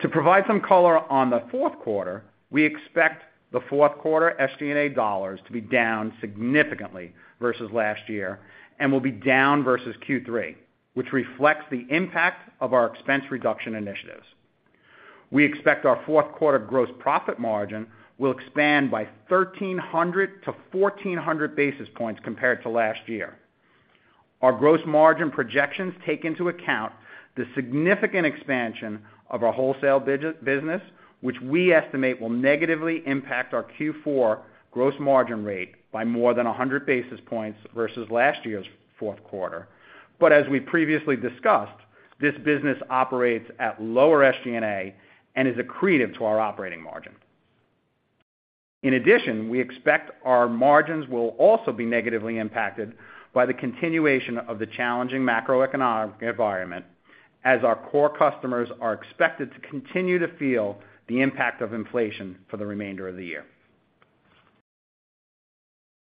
To provide some color on the fourth quarter, we expect the fourth quarter SG&A dollars to be down significantly versus last year and will be down versus Q3, which reflects the impact of our expense reduction initiatives. We expect our fourth quarter gross profit margin will expand by 1,300-1,400 basis points compared to last year. Our gross margin projections take into account the significant expansion of our wholesale business, which we estimate will negatively impact our Q4 gross margin rate by more than 100 basis points versus last year's fourth quarter. As we previously discussed, this business operates at lower SG&A and is accretive to our operating margin. In addition, we expect our margins will also be negatively impacted by the continuation of the challenging macroeconomic environment, as our core customers are expected to continue to feel the impact of inflation for the remainder of the year.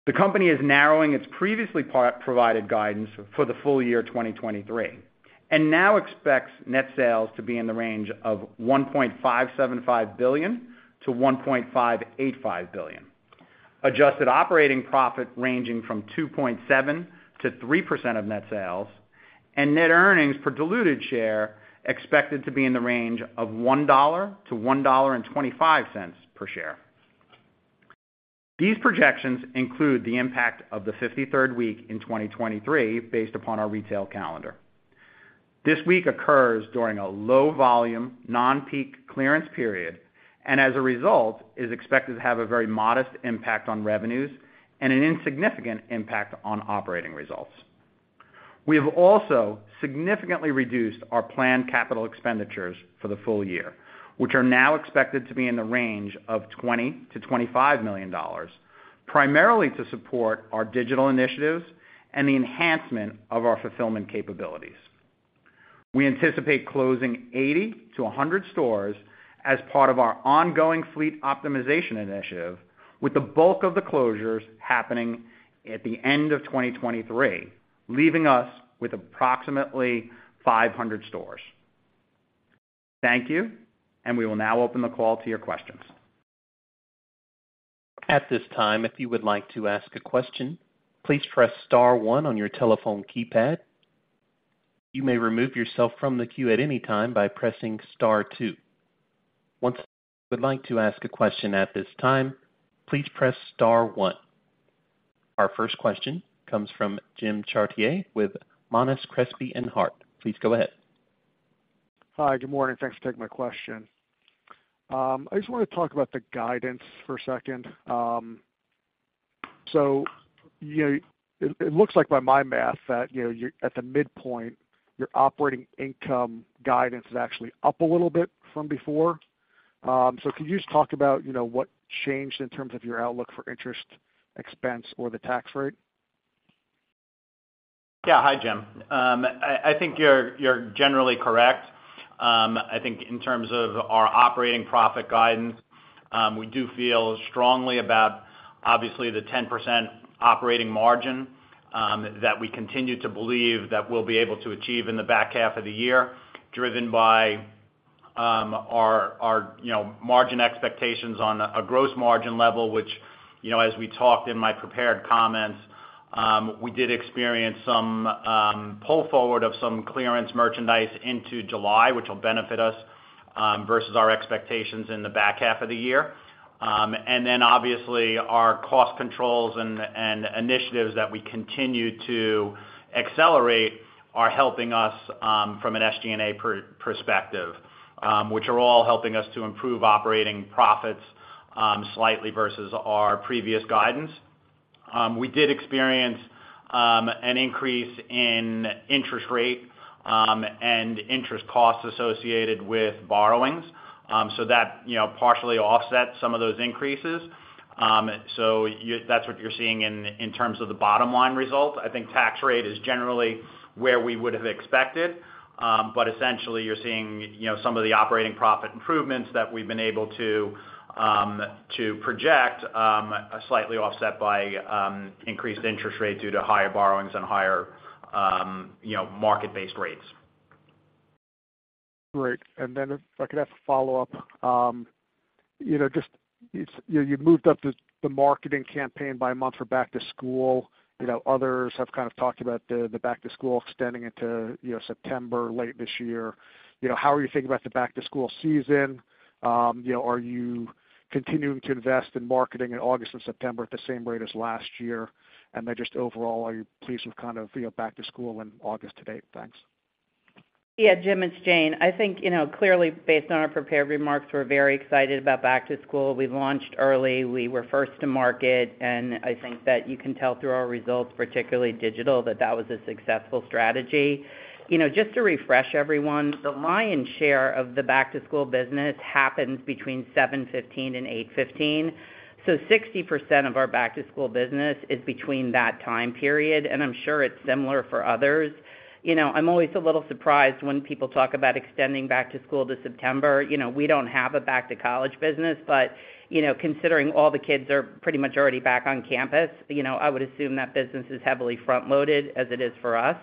The company is narrowing its previously provided guidance for the full-year 2023, and now expects net sales to be in the range of $1.575 billion-$1.585 billion. Adjusted operating profit ranging from 2.7%-3% of net sales, and net earnings per diluted share, expected to be in the range of $1.00-$1.25 per share. These projections include the impact of the 53rd week in 2023, based upon our retail calendar. This week occurs during a low volume, non-peak clearance period, and as a result, is expected to have a very modest impact on revenues and an insignificant impact on operating results. We have also significantly reduced our planned capital expenditures for the full-year, which are now expected to be in the range of $20 million-$25 million, primarily to support our digital initiatives and the enhancement of our fulfillment capabilities. We anticipate closing 80-100 stores as part of our ongoing fleet optimization initiative, with the bulk of the closures happening at the end of 2023, leaving us with approximately 500 stores. Thank you, and we will now open the call to your questions.
At this time, if you would like to ask a question, please press star one on your telephone keypad. You may remove yourself from the queue at any time by pressing star two. would like to ask a question at this time, please press star one. Our first question comes from Jim Chartier with Monness, Crespi, Hardt. Please go ahead.
Hi, good morning. Thanks for taking my question. I just want to talk about the guidance for a second. You know, it, it looks like by my math, that, you know, you're at the midpoint, your operating income guidance is actually up a little bit from before. Could you just talk about, you know, what changed in terms of your outlook for interest expense or the tax rate?
Yeah. Hi, Jim. I, I think you're, you're generally correct. I think in terms of our operating profit guidance, we do feel strongly about obviously, the 10% operating margin, that we continue to believe that we'll be able to achieve in the back half of the year, driven by, our, our, you know, margin expectations on a, a gross margin level, which, you know, as we talked in my prepared comments, we did experience some, pull forward of some clearance merchandise into July, which will benefit us, versus our expectations in the back half of the year. Then obviously, our cost controls and, and initiatives that we continue to accelerate are helping us, from an SG&A perspective, which are all helping us to improve operating profits, slightly versus our previous guidance. We did experience an increase in interest rate and interest costs associated with borrowings, so that, you know, partially offset some of those increases. You-- that's what you're seeing in, in terms of the bottom line results. I think tax rate is generally where we would have expected, essentially, you're seeing, you know, some of the operating profit improvements that we've been able to to project, slightly offset by increased interest rates due to higher borrowings and higher, you know, market-based rates.
Great. If I could have a follow-up? You know, just, you, you moved up the, the marketing campaign by a month for Back to School. You know, others have kind of talked about the, the Back to School extending into, you know, September, late this year. You know, how are you thinking about the Back to School season? Are you continuing to invest in marketing in August and September at the same rate as last year? Just overall, are you pleased with kind of, you know, Back to School in August to date? Thanks.
Yeah, Jim, it's Jane. I think, you know, clearly based on our prepared remarks, we're very excited about Back to School. We launched early. We were first to market, and I think that you can tell through our results, particularly digital, that that was a successful strategy. You know, just to refresh everyone, the lion's share of the Back to School business happens between 7/15 and 8/15. 60% of our Back to School business is between that time period, and I'm sure it's similar for others. You know, I'm always a little surprised when people talk about extending Back to School to September. You know, we don't have a back to college business, but, you know, considering all the kids are pretty much already back on campus, you know, I would assume that business is heavily front-loaded as it is for us.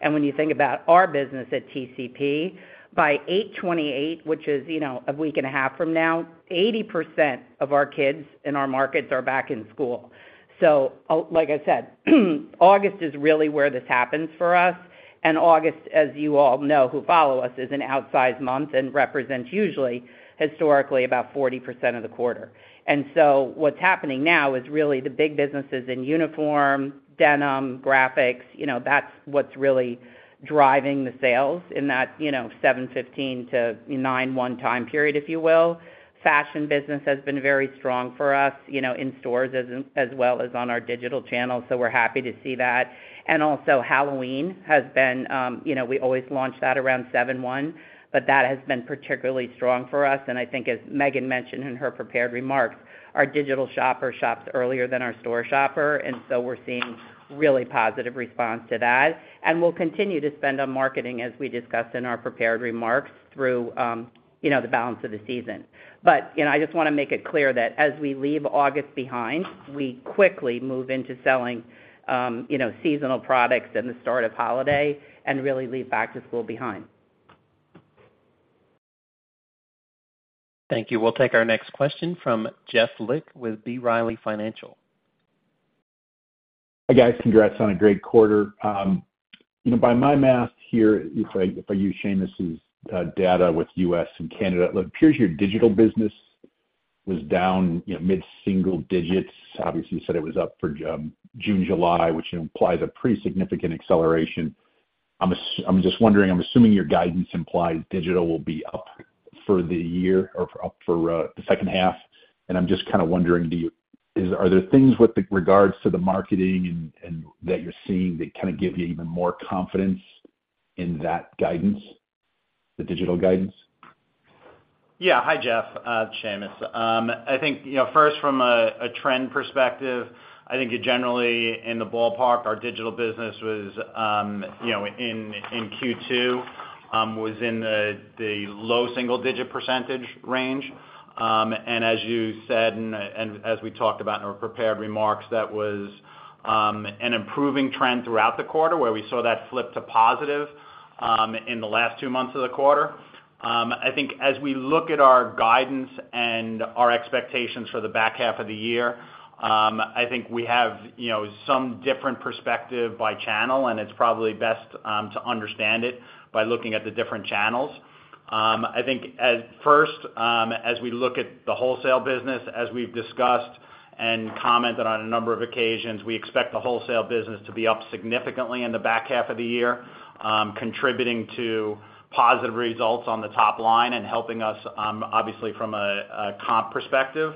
When you think about our business at TCP, by 8/28, which is, you know, a week and a half from now, 80% of our kids in our markets are back in school. Like I said, August is really where this happens for us. August, as you all know, who follow us, is an outsized month and represents usually, historically, about 40% of the quarter. What's happening now is really the big businesses in uniform, denim, graphics, you know, that's what's really driving the sales in that, you know, 7/15-9/1 time period, if you will. Fashion business has been very strong for us, you know, in stores as, as well as on our digital channels, so we're happy to see that. Halloween has been, you know, we always launch that around 7/1, but that has been particularly strong for us. I think as Maegan mentioned in her prepared remarks, our digital shopper shops earlier than our store shopper, and so we're seeing really positive response to that. We'll continue to spend on marketing, as we discussed in our prepared remarks, through, you know, the balance of the season. You know, I just wanna make it clear that as we leave August behind, we quickly move into selling, you know, seasonal products and the start of holiday, and really leave Back to School behind.
Thank you. We'll take our next question from Jeff Lick with B. Riley Financial.
Hi, guys. Congrats on a great quarter. You know, by my math here, if I, if I use Sheamus's data with U.S. and Canada, it appears your digital business was down, you know, mid-single digits. Obviously, you said it was up for June, July, which implies a pretty significant acceleration. I'm just wondering, I'm assuming your guidance implies digital will be up for the year or up for the second half. I'm just kind of wondering, are there things with regards to the marketing and that you're seeing that kind of give you even more confidence in that guidance, the digital guidance?
Yeah. Hi, Jeff, Sheamus. I think, you know, first from a trend perspective, I think generally, in the ballpark, our digital business was, you know, in Q2, was in the low single-digit percentage range. As you said, and as we talked about in our prepared remarks, that was an improving trend throughout the quarter, where we saw that flip to positive, in the last two months of the quarter. I think as we look at our guidance and our expectations for the back half of the year, I think we have, you know, some different perspective by channel, and it's probably best to understand it by looking at the different channels. I think at first, as we look at the wholesale business, as we've discussed and commented on a number of occasions, we expect the wholesale business to be up significantly in the back half of the year, contributing to positive results on the top line and helping us, obviously from a, a comp perspective.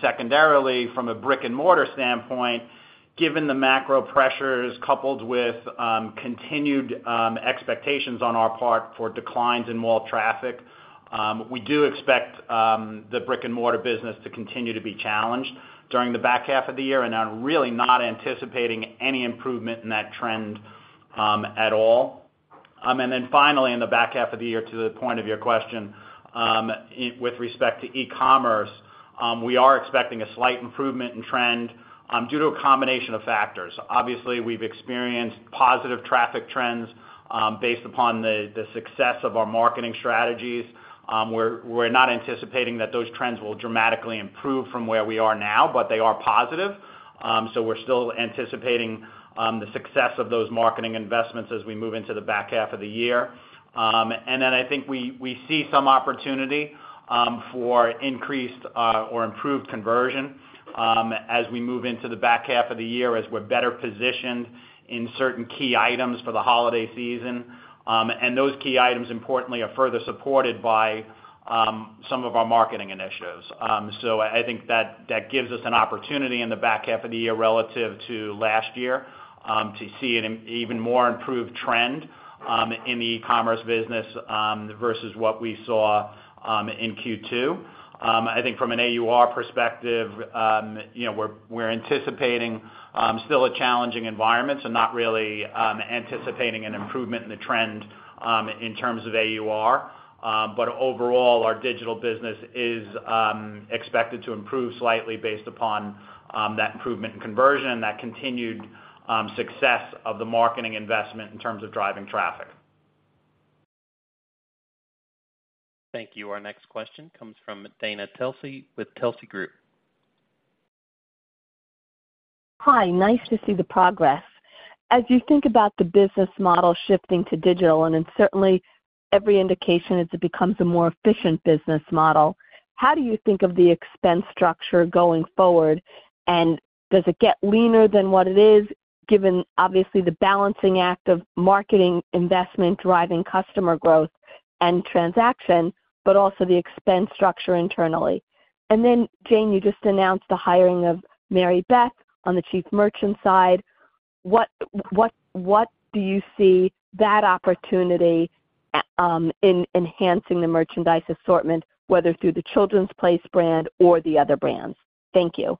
Secondarily, from a brick-and-mortar standpoint, given the macro pressures, coupled with, continued, expectations on our part for declines in mall traffic, we do expect, the brick-and-mortar business to continue to be challenged during the back half of the year, and I'm really not anticipating any improvement in that trend, at all. Finally, in the back half of the year, to the point of your question, with respect to e-commerce, we are expecting a slight improvement in trend, due to a combination of factors. Obviously, we've experienced positive traffic trends, based upon the success of our marketing strategies. We're not anticipating that those trends will dramatically improve from where we are now, but they are positive. We're still anticipating the success of those marketing investments as we move into the back half of the year. I think we see some opportunity for increased or improved conversion as we move into the back half of the year, as we're better positioned in certain key items for the holiday season. Those key items, importantly, are further supported by some of our marketing initiatives. I think that, that gives us an opportunity in the back half of the year relative to last year, to see an even more improved trend in the e-commerce business versus what we saw in Q2. I think from an AUR perspective, you know, we're, we're anticipating still a challenging environment, so not really anticipating an improvement in the trend in terms of AUR. Overall, our digital business is expected to improve slightly based upon that improvement in conversion and that continued success of the marketing investment in terms of driving traffic.
Thank you. Our next question comes from Dana Telsey with Telsey Group.
Hi, nice to see the progress. As you think about the business model shifting to digital, and in certainly every indication, as it becomes a more efficient business model, how do you think of the expense structure going forward? Does it get leaner than what it is, given obviously, the balancing act of marketing, investment, driving customer growth and transaction, but also the expense structure internally? Then, Jane, you just announced the hiring of Mary Beth on the Chief Merchant side. What, what, what do you see that opportunity in enhancing the merchandise assortment, whether through The Children's Place brand or the other brands? Thank you.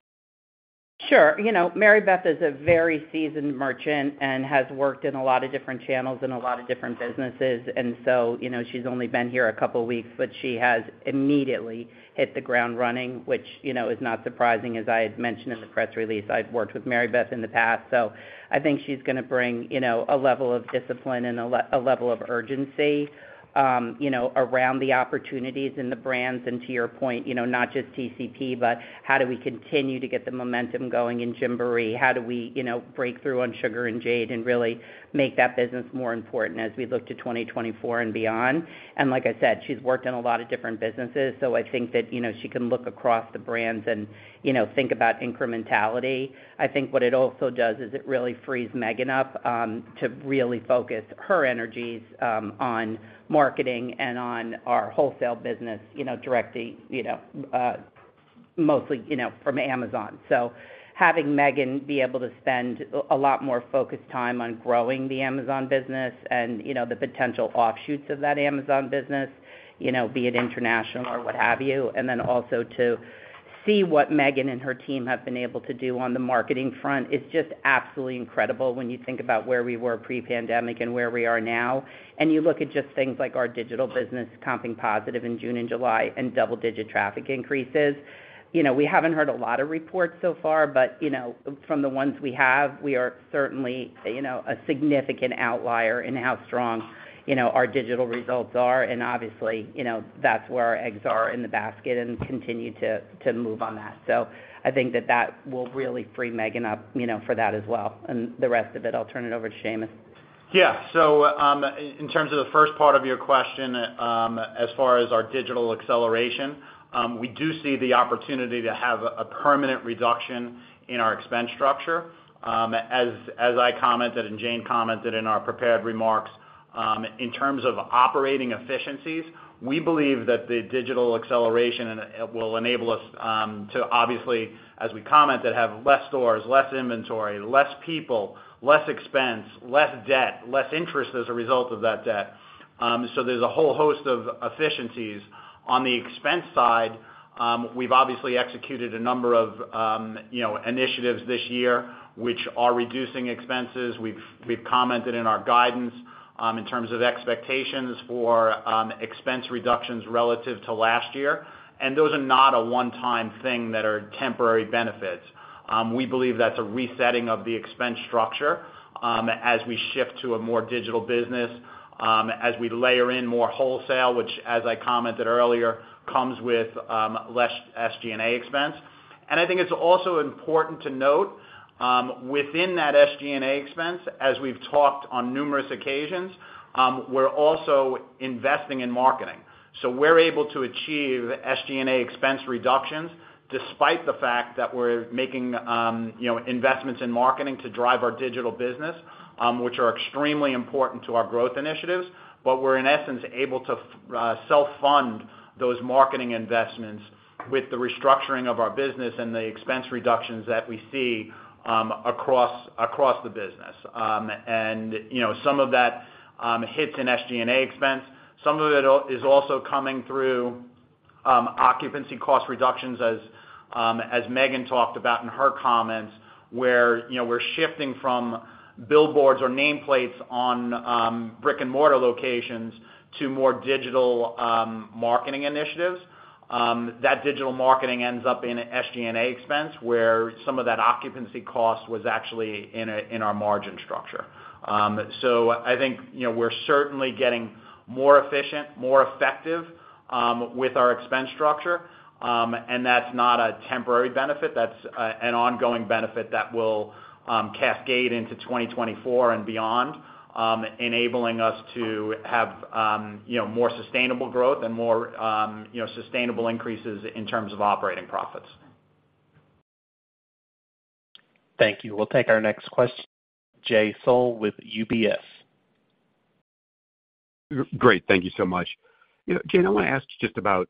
Sure. You know, Mary Beth is a very seasoned merchant and has worked in a lot of different channels in a lot of different businesses. You know, she's only been here a couple of weeks, but she has immediately hit the ground running, which, you know, is not surprising. As I had mentioned in the press release, I've worked with Mary Beth in the past, so I think she's gonna bring, you know, a level of discipline and a level of urgency, you know, around the opportunities and the brands. To your point, you know, not just TCP, but how do we continue to get the momentum going in Gymboree? How do we, you know, break through on Sugar & Jade and really make that business more important as we look to 2024 and beyond? Like I said, she's worked in a lot of different businesses, so I think that, you know, she can look across the brands and, you know, think about incrementality. I think what it also does is it really frees Maegan up to really focus her energies on marketing and on our wholesale business, you know, directly, you know, mostly, you know, from Amazon. Having Maegan be able to spend a lot more focused time on growing the Amazon business and, you know, the potential offshoots of that Amazon business, you know, be it international or what have you. Then also to see what Maegan and her team have been able to do on the marketing front is just absolutely incredible when you think about where we were pre-pandemic and where we are now. You look at just things like our digital business comping positive in June and July and double-digit traffic increases. You know, we haven't heard a lot of reports so far, but, you know, from the ones we have, we are certainly, you know, a significant outlier in how strong, you know, our digital results are. Obviously, you know, that's where our eggs are in the basket and continue to, to move on that. I think that that will really free Maegan up, you know, for that as well. The rest of it, I'll turn it over to Sheamus.
Yeah. In terms of the first part of your question, as far as our digital acceleration, we do see the opportunity to have a permanent reduction in our expense structure. As, as I commented and Jane Elfers commented in our prepared remarks, in terms of operating efficiencies, we believe that the digital acceleration it will enable us to obviously, as we commented, have less stores, less inventory, less people, less expense, less debt, less interest as a result of that debt. There's a whole host of efficiencies. On the expense side, we've obviously executed a number of, you know, initiatives this year, which are reducing expenses. We've, we've commented in our guidance, in terms of expectations for expense reductions relative to last year, and those are not a one-time thing that are temporary benefits. We believe that's a resetting of the expense structure, as we shift to a more digital business, as we layer in more wholesale, which, as I commented earlier, comes with less SG&A expense. I think it's also important to note, within that SG&A expense, as we've talked on numerous occasions, we're also investing in marketing. We're able to achieve SG&A expense reductions despite the fact that we're making, you know, investments in marketing to drive our digital business, which are extremely important to our growth initiatives. We're, in essence, able to self-fund those marketing investments with the restructuring of our business and the expense reductions that we see, across, across the business. You know, some of that hits in SG&A expense. Some of it is also coming through, occupancy cost reductions as, as Maegan talked about in her comments, where, you know, we're shifting from billboards or nameplates on, brick-and-mortar locations to more digital, marketing initiatives. That digital marketing ends up in SG&A expense, where some of that occupancy cost was actually in our margin structure. I think, you know, we're certainly getting more efficient, more effective, with our expense structure. That's not a temporary benefit, that's an ongoing benefit that will cascade into 2024 and beyond, enabling us to have, you know, more sustainable growth and more, you know, sustainable increases in terms of operating profits.
Thank you. We'll take our next question, Jay Sole with UBS.
Great. Thank you so much. You know, Jane, I want to ask just about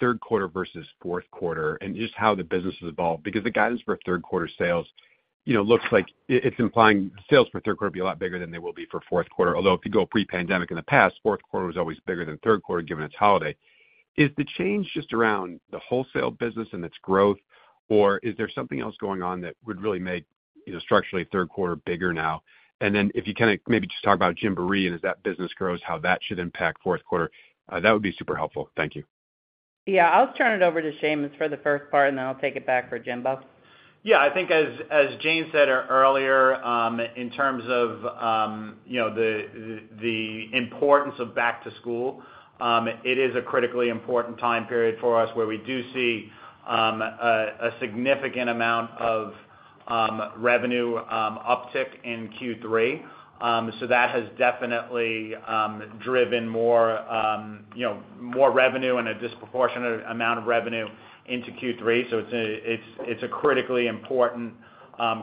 third quarter versus fourth quarter and just how the business has evolved, because the guidance for third quarter sales, you know, looks like i-it's implying sales for third quarter will be a lot bigger than they will be for fourth quarter. Although, if you go pre-pandemic, in the past, fourth quarter was always bigger than third quarter, given its holiday. Is the change just around the wholesale business and its growth, or is there something else going on that would really make, you know, structurally, third quarter bigger now? Then if you can, maybe just talk about Gymboree and as that business grows, how that should impact fourth quarter, that would be super helpful. Thank you.
Yeah, I'll turn it over to Sheamus for the first part, and then I'll take it back for Gymboree.
Yeah, I think as, as Jane said earlier, in terms of, you know, the, the, the importance of Back to School, it is a critically important time period for us, where we do see a significant amount of revenue uptick in Q3. That has definitely driven more, you know, more revenue and a disproportionate amount of revenue into Q3. It's a, it's, it's a critically important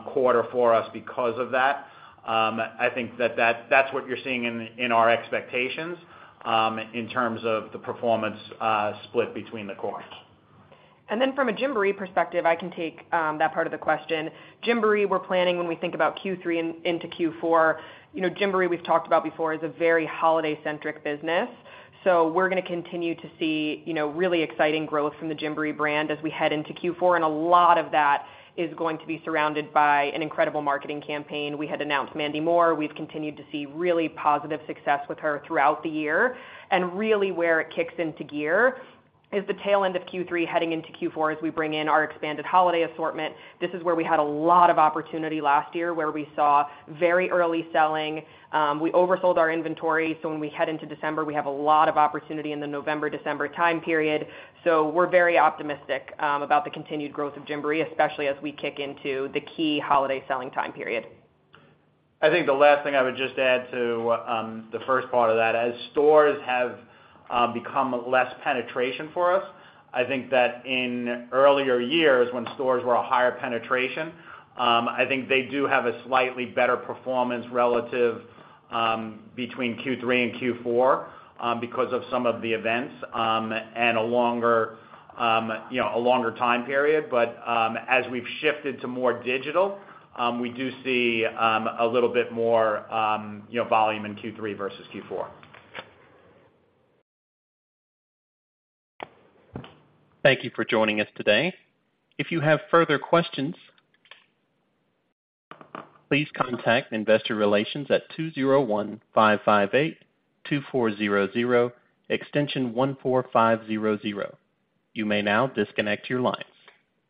quarter for us because of that. I think that, that's what you're seeing in, in our expectations, in terms of the performance split between the cores.
Then from a Gymboree perspective, I can take that part of the question. Gymboree, we're planning when we think about Q3 and into Q4. You know, Gymboree, we've talked about before, is a very holiday-centric business. We're gonna continue to see, you know, really exciting growth from the Gymboree brand as we head into Q4. A lot of that is going to be surrounded by an incredible marketing campaign. We had announced Mandy Moore. We've continued to see really positive success with her throughout the year. Really where it kicks into gear is the tail end of Q3, heading into Q4, as we bring in our expanded holiday assortment. This is where we had a lot of opportunity last year, where we saw very early selling. We oversold our inventory, so when we head into December, we have a lot of opportunity in the November-December time period. We're very optimistic about the continued growth of Gymboree, especially as we kick into the key holiday selling time period.
I think the last thing I would just add to, the first part of that, as stores have become less penetration for us, I think that in earlier years, when stores were a higher penetration, I think they do have a slightly better performance relative between Q3 and Q4 because of some of the events and a longer, you know, a longer time period. But, as we've shifted to more digital, we do see a little bit more, you know, volume in Q3 versus Q4.
Thank you for joining us today. If you have further questions, please contact Investor Relations at 201-558-2400, extension 14500. You may now disconnect your lines.